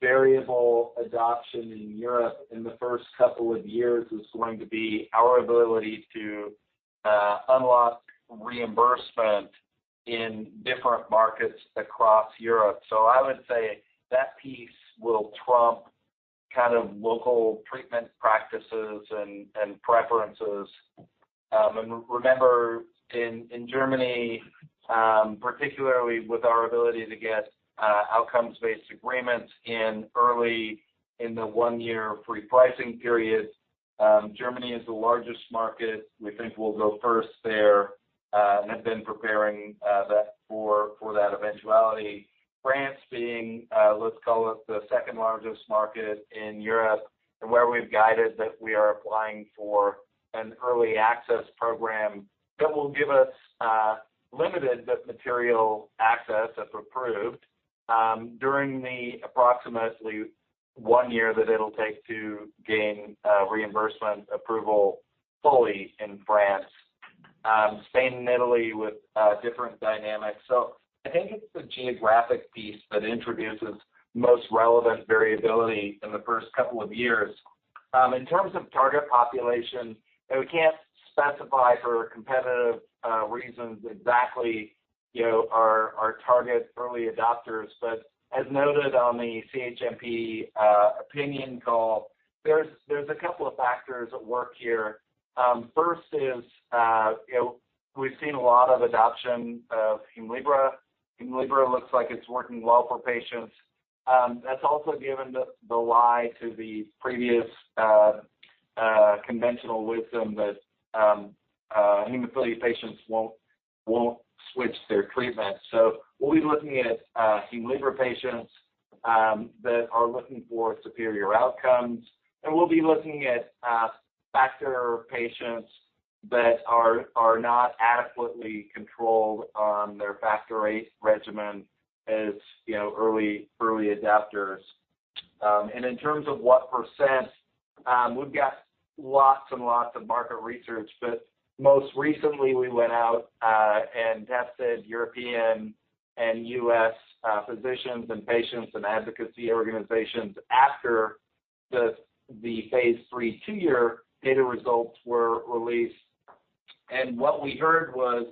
D: variable adoption in Europe in the first couple of years is going to be our ability to unlock reimbursement in different markets across Europe. I would say that piece will trump kind of local treatment practices and preferences. Remember in Germany, particularly with our ability to get outcomes-based agreements early in the one-year free pricing period, Germany is the largest market. We think we'll go first there and have been preparing that for that eventuality. France being, let's call it the second-largest market in Europe and where we've guided that we are applying for an early access program that will give us, limited but material access, if approved, during the approximately one year that it'll take to gain, reimbursement approval fully in France. Spain and Italy with different dynamics. I think it's the geographic piece that introduces most relevant variability in the first couple of years. In terms of target population, and we can't specify for competitive reasons exactly, you know, our target early adopters. But as noted on the CHMP opinion call, there's a couple of factors at work here. First is, you know, we've seen a lot of adoption of Hemlibra. Hemlibra looks like it's working well for patients. That's also given the lie to the previous conventional wisdom that hemophilia patients won't switch their treatment. We'll be looking at Hemlibra patients that are looking for superior outcomes, and we'll be looking at factor patients that are not adequately controlled on their factor eight regimen as, you know, early adopters. In terms of what percent, we've got lots and lots of market research, but most recently we went out and tested European and U.S. physicians and patients and advocacy organizations after the phase III two-year data results were released. What we heard was,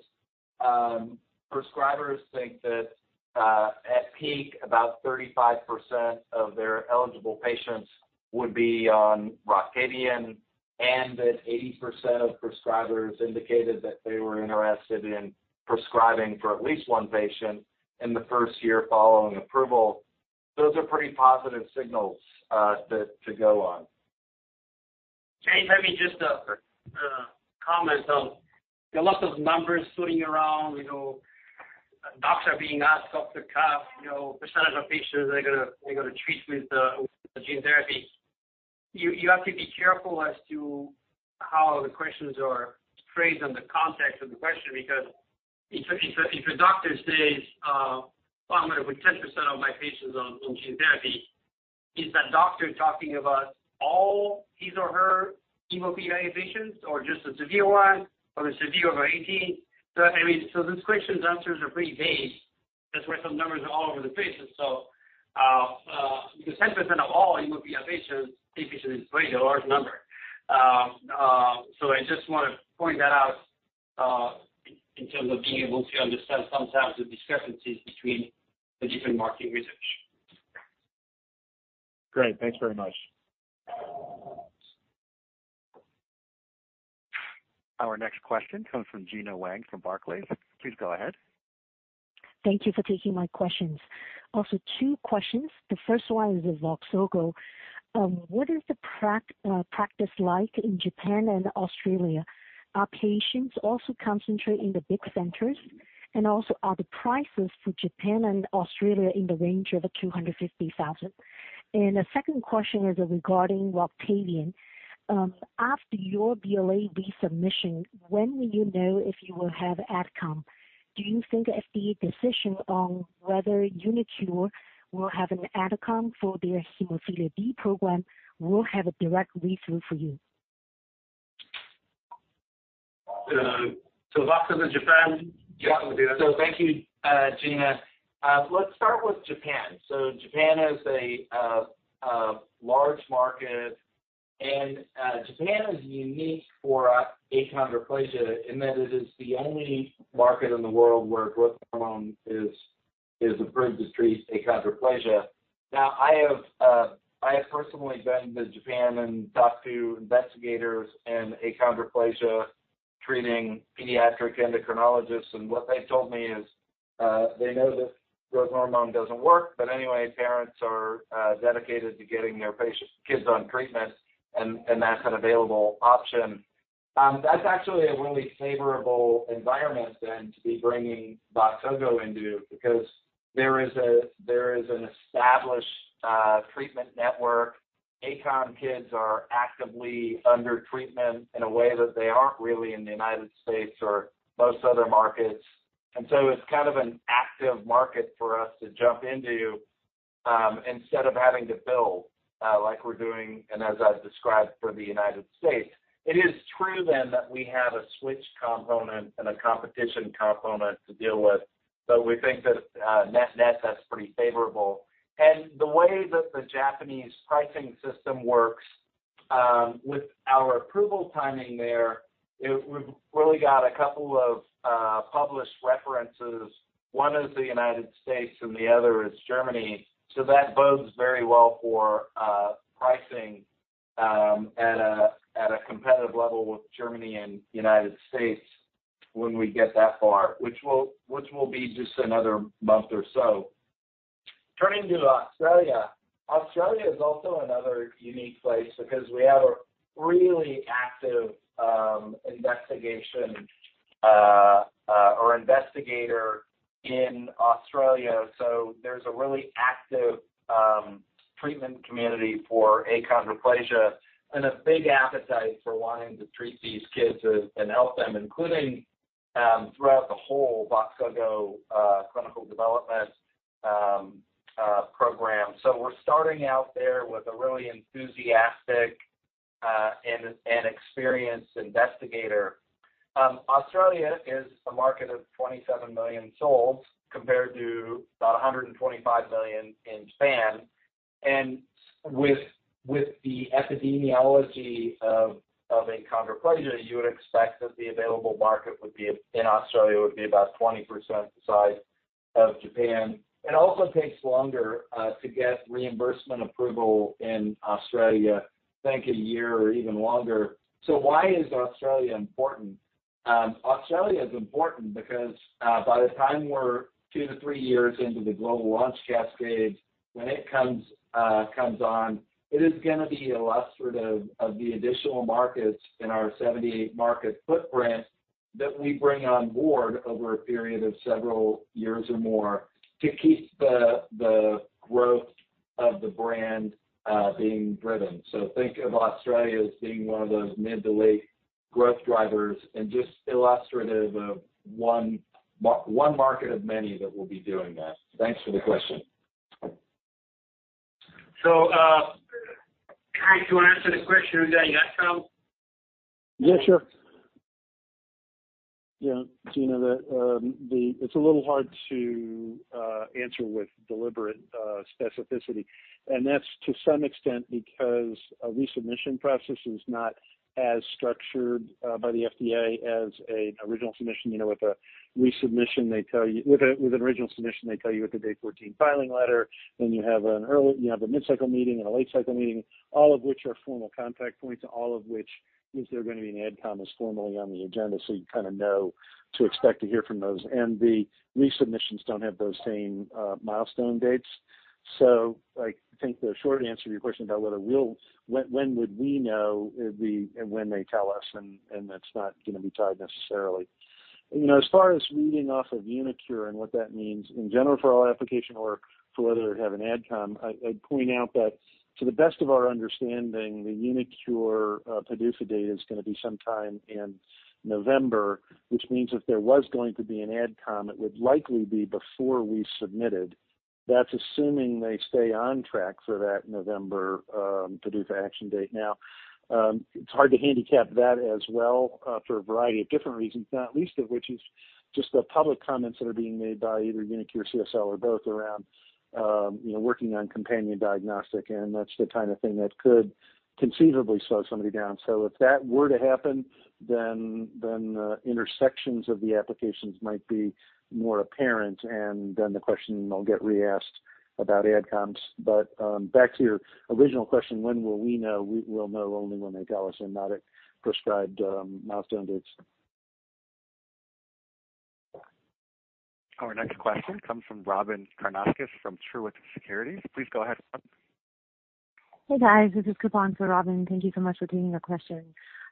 D: prescribers think that, at peak about 35% of their eligible patients would be on Roctavian, and that 80% of prescribers indicated that they were interested in prescribing for at least one patient in the first year following approval. Those are pretty positive signals, to go on.
C: If I may, just a comment on, you know, lots of numbers floating around. You know, doctors are being asked off the cuff, you know, percentage of patients they're gonna treat with the gene therapy. You have to be careful as to how the questions are phrased and the context of the question, because if a doctor says, "Well, I'm gonna put 10% of my patients on gene therapy," is that doctor talking about all his or her hemophilia A patients or just the severe ones or the severe over 18? I mean, these questions' answers are pretty vague. That's why some numbers are all over the place, because 10% of all hemophilia A patients is a very large number. I just want to point that out in terms of being able to understand sometimes the discrepancies between the different market research.
L: Great. Thanks very much.
A: Our next question comes from Gena Wang from Barclays. Please go ahead.
M: Thank you for taking my questions. Also two questions. The first one is with Voxzogo. What is the practice like in Japan and Australia? Are patients also concentrated in the big centers? And also, are the prices for Japan and Australia in the range of $250,000? And the second question is regarding Roctavian. After your BLA resubmission, when will you know if you will have AdCom? Do you think FDA decision on whether uniQure will have an AdCom for their hemophilia B program will have a direct influence for you?
D: Voxzogo, Japan.
C: Voxzogo, yeah.
D: Thank you, Gena. Let's start with Japan. Japan is a large market, and Japan is unique for achondroplasia in that it is the only market in the world where growth hormone is approved to treat achondroplasia. Now, I have personally been to Japan and talked to investigators and achondroplasia-treating pediatric endocrinologists, and what they've told me is, they know that growth hormone doesn't work, but anyway parents are dedicated to getting their kids on treatment and that's an available option. That's actually a really favorable environment then to be bringing Voxzogo into because there is an established treatment network, kids are actively under treatment in a way that they aren't really in the United States or most other markets. It's kind of an active market for us to jump into, instead of having to build, like we're doing and as I've described for the United States. It is true then that we have a switch component and a competition component to deal with. We think that, net-net, that's pretty favorable. The way that the Japanese pricing system works, with our approval timing there, we've really got a couple of published references. One is the United States and the other is Germany. That bodes very well for pricing, at a competitive level with Germany and United States when we get that far, which will be just another month or so. Turning to Australia. Australia is also another unique place because we have a really active investigation or investigator in Australia. There's a really active treatment community for achondroplasia and a big appetite for wanting to treat these kids and help them, including throughout the whole Voxzogo clinical development program. We're starting out there with a really enthusiastic and experienced investigator. Australia is a market of 27 million souls compared to about 125 million in Japan. With the epidemiology of achondroplasia, you would expect that the available market in Australia would be about 20% the size of Japan. It also takes longer to get reimbursement approval in Australia. Think a year or even longer. Why is Australia important? Australia is important because by the time we're two to three years into the global launch cascade, when it comes on, it is gonna be illustrative of the additional markets in our 78-market footprint that we bring on board over a period of several years or more to keep the growth of the brand being driven. Think of Australia as being one of those mid to late growth drivers and just illustrative of one market of many that will be doing that. Thanks for the question.
C: Hank, do you want to answer the question with the AdCom?
E: Yeah, sure. Yeah, Gena, the—it's a little hard to answer with deliberate specificity, and that's to some extent because a resubmission process is not as structured by the FDA as a original submission. You know, with a resubmission, they tell you. With an original submission, they tell you with the Day 14 filing letter, then you have a mid-cycle meeting and a late cycle meeting, all of which are formal contact points, all of which if they're going to be an AdCom is formally on the agenda, so you kind of know to expect to hear from those. The resubmissions don't have those same milestone dates. I think the short answer to your question about whether we'll know when it'll be, and when they tell us, and that's not gonna be tied necessarily. As far as relying on uniQure and what that means in general for the BLA or for whether they have an AdCom, I'd point out that to the best of our understanding, the uniQure PDUFA date is gonna be sometime in November, which means if there was going to be an AdCom, it would likely be before we submitted. That's assuming they stay on track for that November PDUFA action date. Now, it's hard to handicap that as well, for a variety of different reasons, not least of which is just the public comments that are being made by either uniQure, CSL or both around, you know, working on companion diagnostic, and that's the kind of thing that could conceivably slow somebody down. If that were to happen, then intersections of the applications might be more apparent and then the question will get re-asked about AdComs. Back to your original question, when will we know? We'll know only when they tell us and not at prescribed milestone dates.
A: Our next question comes from Robyn Karnauskas from Truist Securities. Please go ahead, Robin.
N: Hey, guys. This is Cory Kasimov. Robyn, thank you so much for taking our question.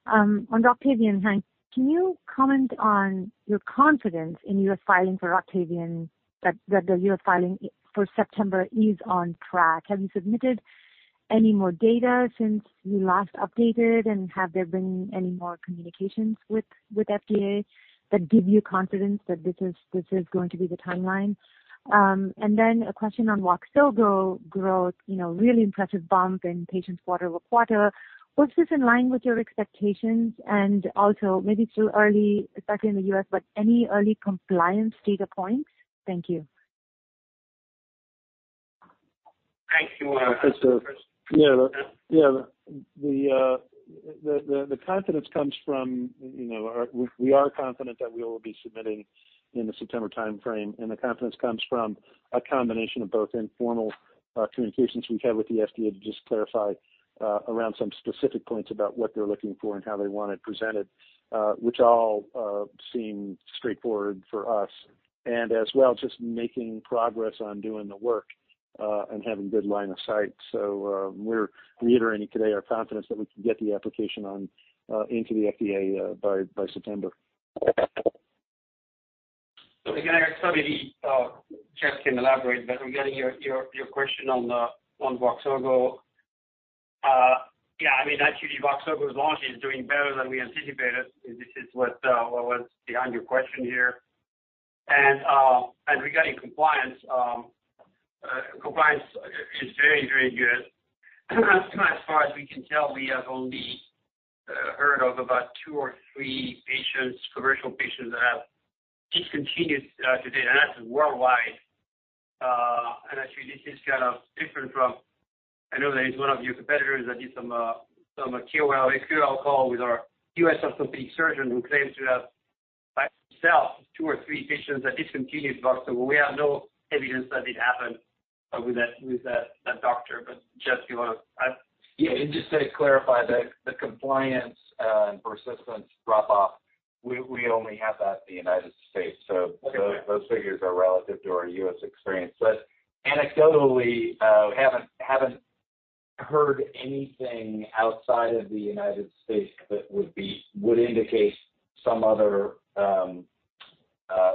N: On Roctavian, Hank, can you comment on your confidence in U.S. filing for Roctavian that the U.S. filing for September is on track? Have you submitted any more data since you last updated, and have there been any more communications with FDA that give you confidence that this is going to be the timeline? A question on Voxzogo growth, you know, really impressive bump in patients quarter-over-quarter. Was this in line with your expectations? Also maybe it's too early, especially in the U.S., but any early compliance data points? Thank you.
C: Hank, do you wanna answer first?
E: Yeah. The confidence comes from, you know, we are confident that we will be submitting in the September timeframe, and the confidence comes from a combination of both informal communications we've had with the FDA to just clarify around some specific points about what they're looking for and how they want it presented, which all seem straightforward for us. As well, just making progress on doing the work and having good line of sight. We're reiterating today our confidence that we can get the application in to the FDA by September.
C: Again, I probably Jeff can elaborate, but regarding your question on Voxzogo. Yeah, I mean, actually Voxzogo's launch is doing better than we anticipated. If this is what was behind your question here. Regarding compliance is very good. As far as we can tell, we have only heard of about two or three patients, commercial patients that have discontinued to date, and that's worldwide. Actually, this is kind of different. I know that it's one of your competitors that did some KOL call with our U.S. orthopedic surgeon who claims to have, by himself, two or three patients that discontinued Voxzogo. We have no evidence that it happened with that doctor. Jeff, do you wanna add?
D: Yeah. Just to clarify that the compliance and persistence drop-off, we only have that in the United States.
C: Okay.
D: Those figures are relative to our U.S. experience. Anecdotally, we haven't heard anything outside of the United States that would indicate some other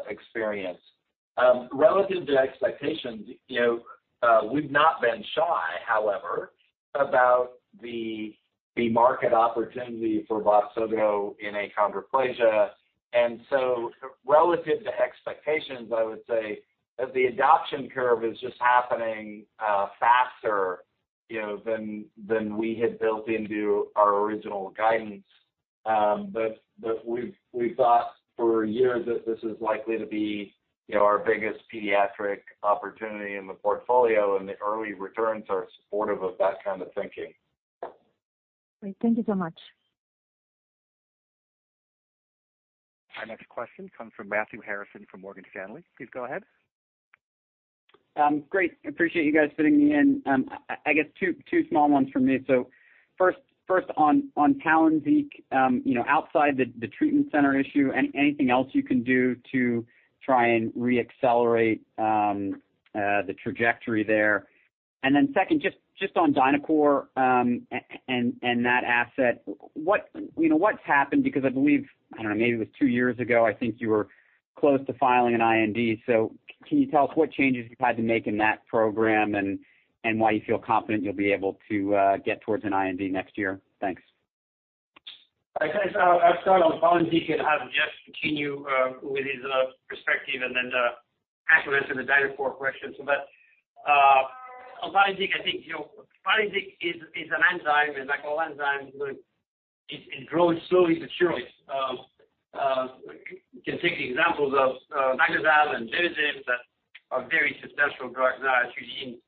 D: experience. Relative to expectations, we've not been shy, however, about the market opportunity for Voxzogo in achondroplasia. Relative to expectations, I would say that the adoption curve is just happening faster than we had built into our original guidance. We've thought for years that this is likely to be our biggest pediatric opportunity in the portfolio, and the early returns are supportive of that kind of thinking.
N: Great. Thank you so much.
A: Our next question comes from Matthew Harrison from Morgan Stanley. Please go ahead.
O: Great. Appreciate you guys fitting me in. I guess two small ones from me. First on Palynziq, you know, outside the treatment center issue, anything else you can do to try and reaccelerate the trajectory there? Second, just Dynacure and that asset, you know, what's happened? Because I believe, I don't know, maybe it was two years ago, I think you were close to filing an IND. Can you tell us what changes you've had to make in that program and why you feel confident you'll be able to get towards an IND next year? Thanks.
C: I guess I'll start on Palynziq and have Jeff continue with his perspective and then actually answer Dynacure question. On Palynziq, I think, you know, Palynziq is an enzyme. It grows slowly but surely. You can take the examples of Naglazyme and Vimizim that are very successful drugs now. Actually, didn't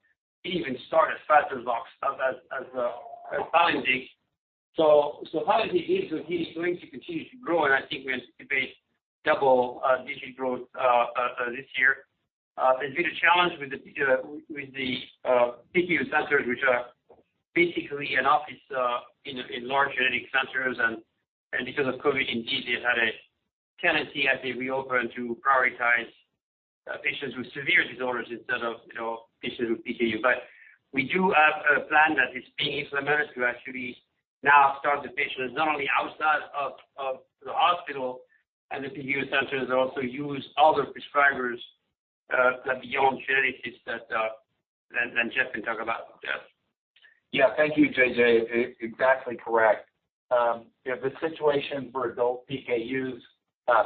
C: even start as fast as Palynziq. Palynziq is going to continue to grow, and I think we anticipate double-digit growth this year. There's been a challenge with the PKU centers, which are basically an office in large genetic centers. Because of COVID, indeed, they've had a tendency as they reopen to prioritize patients with severe disorders instead of, you know, patients with PKU. We do have a plan that is being implemented to actually now start the patients not only outside of the hospital and the PKU centers, and also use other prescribers beyond genetics that Jeff can talk about. Jeff.
D: Yeah. Thank you, J.J. Exactly correct. You know, the situation for adult PKU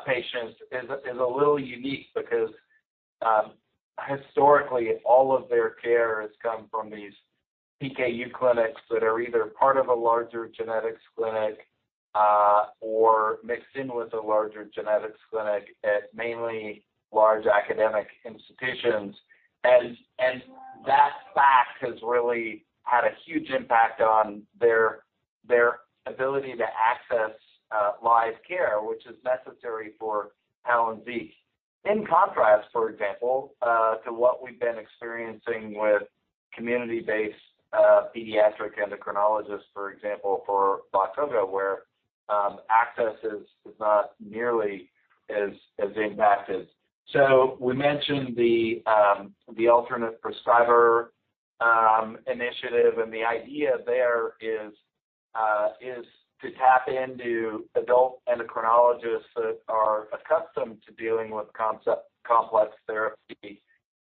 D: patients is a little unique because historically all of their care has come from these PKU clinics that are either part of a larger genetics clinic or mixed in with a larger genetics clinic at mainly large academic institutions. That fact has really had a huge impact on their ability to access live care, which is necessary for Palynziq. In contrast, for example, to what we've been experiencing with community-based pediatric endocrinologists, for example, for Voxzogo, where access is not nearly as impacted. We mentioned the alternate prescriber initiative, and the idea there is to tap into adult endocrinologists that are accustomed to dealing with complex therapy.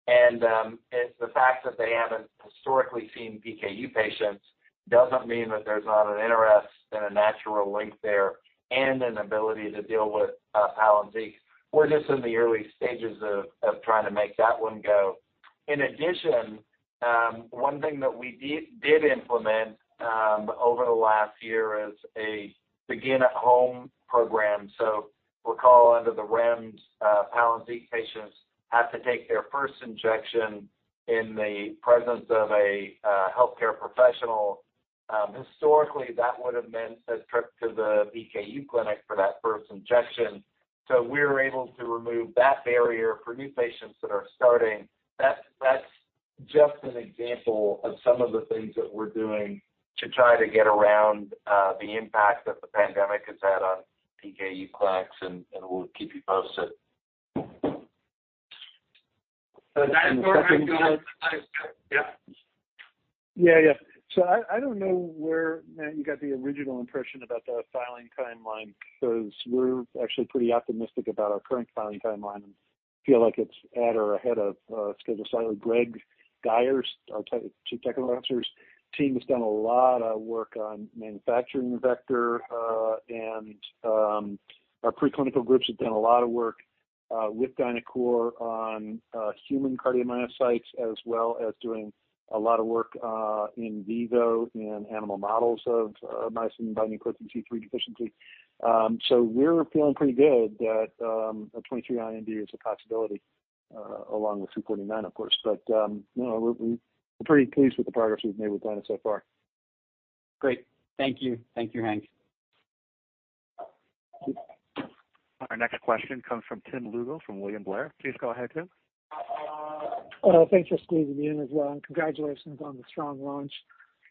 D: It's the fact that they haven't historically seen PKU patients doesn't mean that there's not an interest and a natural link there and an ability to deal with Palynziq. We're just in the early stages of trying to make that one go. In addition, one thing that we did implement over the last year is a Begin at Home program. Recall, under the REMS, Palynziq patients have to take their first injection in the presence of a healthcare professional. Historically, that would have meant a trip to the PKU clinic for that first injection. We're able to remove that barrier for new patients that are starting. That's just an example of some of the things that we're doing to try to get around the impact that the pandemic has had on PKU clinics, and we'll keep you posted.
C: *crosstalk*
E: Yeah, yeah. I don't know where you got the original impression about the filing timeline, because we're actually pretty optimistic about our current filing timeline and feel like it's at or ahead of schedule. Greg Guyer, our chief technical officer's team, has done a lot of work on manufacturing the vector, and our preclinical groups have done a lot of work Dynacure on human cardiomyocytes, as well as doing a lot of work in vivo, in animal models of myosin-binding protein C3 deficiency. We're feeling pretty good that a 2023 IND is a possibility, along with 249, of course. You know, we're pretty pleased with the progress we've made with Dyne so far.
O: Great. Thank you. Thank you, Hank.
A: Our next question comes from Tim Lugo from William Blair. Please go ahead, Tim.
P: Thanks for squeezing me in as well, and congratulations on the strong launch.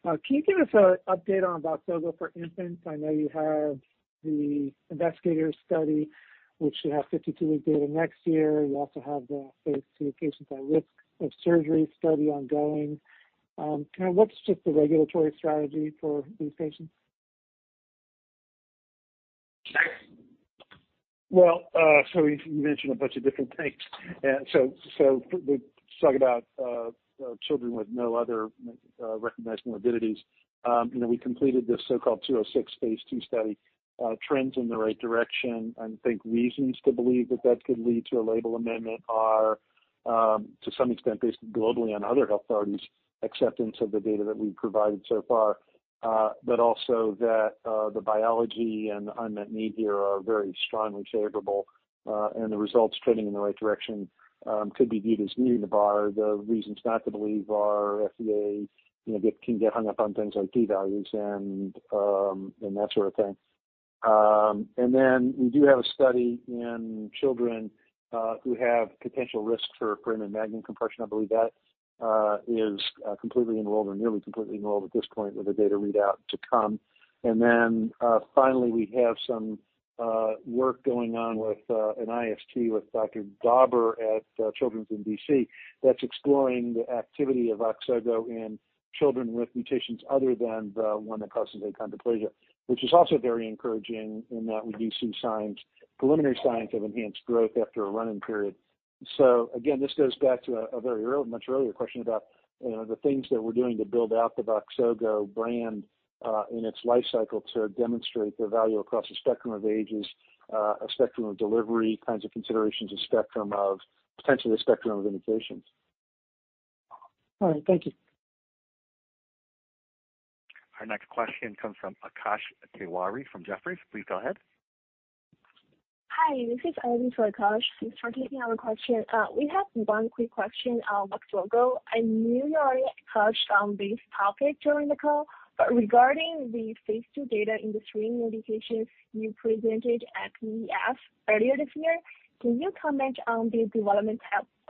P: Can you give us an update on Voxzogo for infants? I know you have the investigator study, which you have 52-week data next year. You also have the phase II patients at risk of surgery study ongoing. What's just the regulatory strategy for these patients?
E: Well, so you mentioned a bunch of different things. We talk about children with no other recognized morbidities. You know, we completed this so-called 206 phase II study, trends in the right direction. I think reasons to believe that that could lead to a label amendment are, to some extent, based globally on other health authorities acceptance of the data that we've provided so far. But also that the biology and unmet need here are very strongly favorable, and the results trending in the right direction could be viewed as meeting the bar. The reasons not to believe are FDA, you know, can get hung up on things like p-values and that sort of thing. We do have a study in children who have potential risk for carpal tunnel compression. I believe that is completely enrolled or nearly completely enrolled at this point with a data readout to come. Finally, we have some work going on with an IST with Dr. Dauber at Children's in D.C. that's exploring the activity of Voxzogo in children with mutations other than the one that causes achondroplasia, which is also very encouraging in that we do see signs, preliminary signs of enhanced growth after a treatment period. Again, this goes back to a very early, much earlier question about, you know, the things that we're doing to build out the Voxzogo brand in its lifecycle to demonstrate the value across a spectrum of ages, a spectrum of delivery kinds of considerations, a spectrum of potentially a spectrum of indications.
P: All right. Thank you.
A: Our next question comes from Akash Tewari from Jefferies. Please go ahead.
Q: Hi, this is Ivy for Akash. Thanks for taking our question. We have one quick question on Voxzogo. I know you already touched on this topic during the call. Regarding the phase II data in the three indications you presented at ENDO earlier this year, can you comment on the development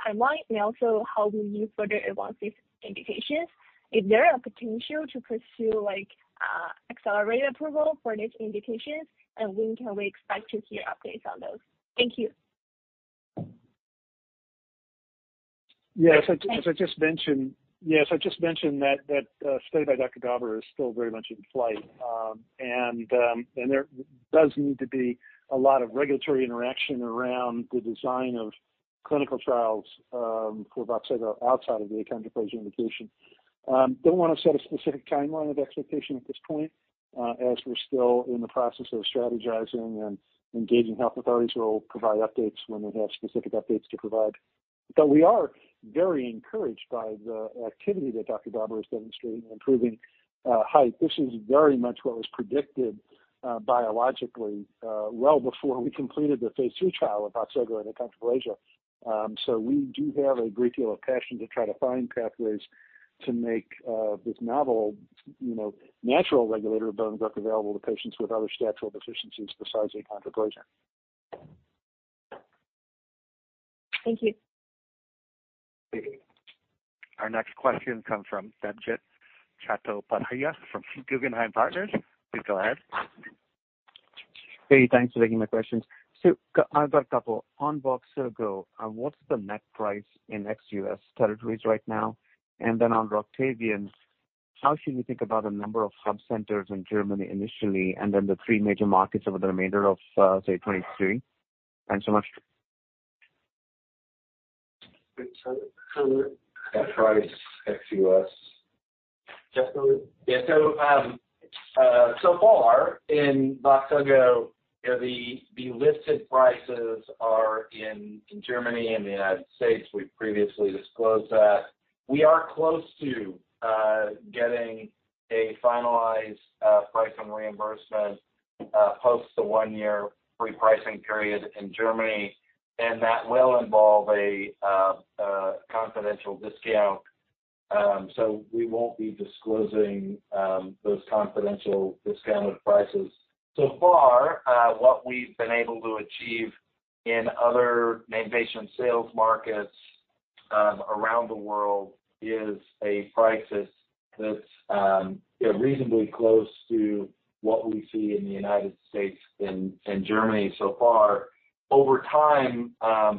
Q: timeline and also how will you further advance these indications? Is there a potential to pursue like, accelerated approval for these indications? And when can we expect to hear updates on those? Thank you.
E: Yes. As I just mentioned, the study by Dr. Dauber is still very much in flight. There does need to be a lot of regulatory interaction around the design of clinical trials for Voxzogo outside of the achondroplasia indication. Don't want to set a specific timeline of expectation at this point, as we're still in the process of strategizing and engaging health authorities who will provide updates when we have specific updates to provide. We are very encouraged by the activity that Dr. Dauber is demonstrating in improving height. This is very much what was predicted biologically well before we completed the phase II trial of Voxzogo and achondroplasia. We do have a great deal of passion to try to find pathways to make this novel, you know, natural regulator of bone growth available to patients with other statural deficiencies besides achondroplasia.
R: Thank you.
A: Our next question comes from Debjit Chattopadhyay from Guggenheim Partners. Please go ahead.
S: Hey, thanks for taking my questions. I've got a couple. On Voxzogo, what's the net price in ex-US territories right now? And then on Roctavian, how should we think about a number of subcenters in Germany initially and then the three major markets over the remainder of, say, 2023? Thanks so much.
D: So far in Voxzogo, you know, the listed prices are in Germany and the United States. We've previously disclosed that. We are close to getting a finalized price and reimbursement post the one-year free pricing period in Germany, and that will involve a confidential discount. We won't be disclosing those confidential discounted prices. So far, what we've been able to achieve in other main patient sales markets around the world is a price that's, you know, reasonably close to what we see in the United States and Germany so far. Over time,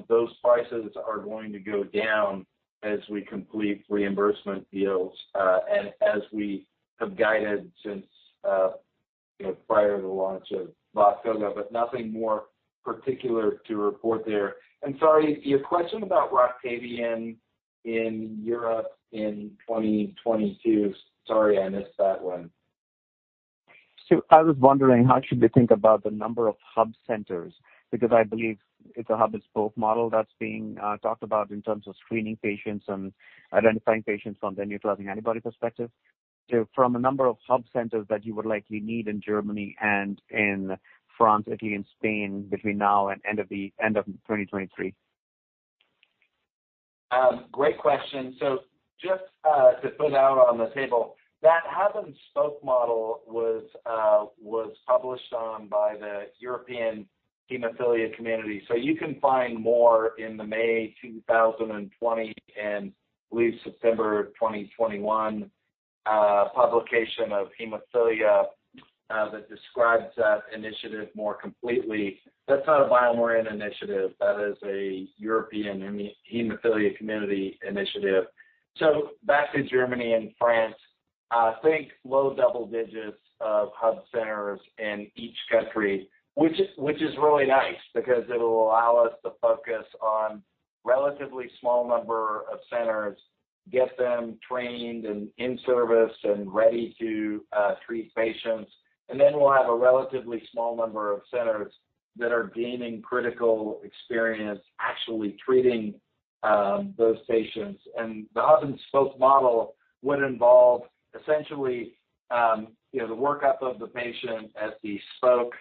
D: those prices are going to go down as we complete reimbursement deals, and as we have guided since, you know, prior to the launch of Voxzogo, but nothing more particular to report there. Sorry, your question about Roctavian in Europe in 2022. Sorry I missed that one.
S: I was wondering, how should we think about the number of hub centers? Because I believe it's a hub and spoke model that's being talked about in terms of screening patients and identifying patients from the neutralizing antibody perspective. From a number of hub centers that you would likely need in Germany, France, Italy and Spain between now and end of 2023.
D: Great question. Just to put out on the table, that hub and spoke model was published on by the European Hemophilia Community. You can find more in the May 2020 and I believe September 2021 publication of Hemophilia that describes that initiative more completely. That's not a BioMarin initiative. That is a European Hemophilia Community initiative. Back to Germany and France, I think low double digits of hub centers in each country, which is really nice because it'll allow us to focus on relatively small number of centers, get them trained and in service and ready to treat patients. Then we'll have a relatively small number of centers that are gaining critical experience actually treating those patients. The hub and spoke model would involve essentially, you know, the workup of the patient at the spoke,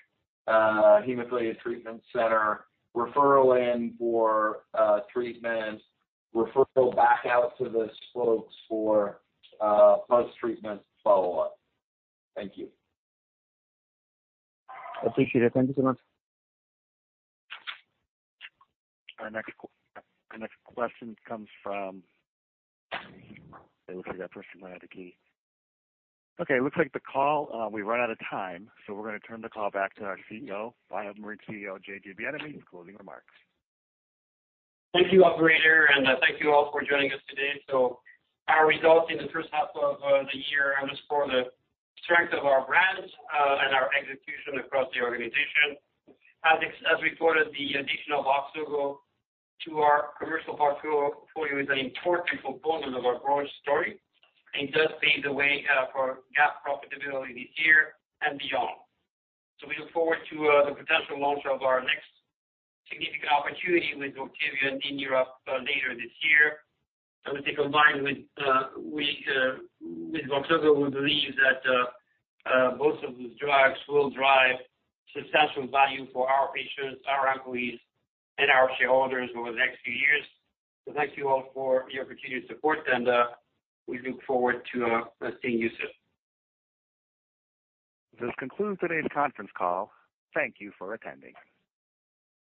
D: hemophilia treatment center, referral in for treatment, referral back out to the spokes for post-treatment follow-up. Thank you.
S: Appreciate it. Thank you so much.
A: Our next question comes from. It looks like that person might have to queue. Okay, looks like the call, we've run out of time, so we're gonna turn the call back to our CEO, BioMarin CEO, J.J Bienaimé, for closing remarks.
C: Thank you, operator, and thank you all for joining us today. Our results in the first half of the year underscore the strength of our brands and our execution across the organization. The addition of Voxzogo to our commercial portfolio is an important component of our growth story and does pave the way for GAAP profitability this year and beyond. We look forward to the potential launch of our next significant opportunity with Roctavian in Europe later this year. I would say combined with Voxzogo, we believe that both of these drugs will drive substantial value for our patients, our employees, and our shareholders over the next few years. Thank you all for your continued support and we look forward to seeing you soon.
A: This concludes today's conference call. Thank you for attending.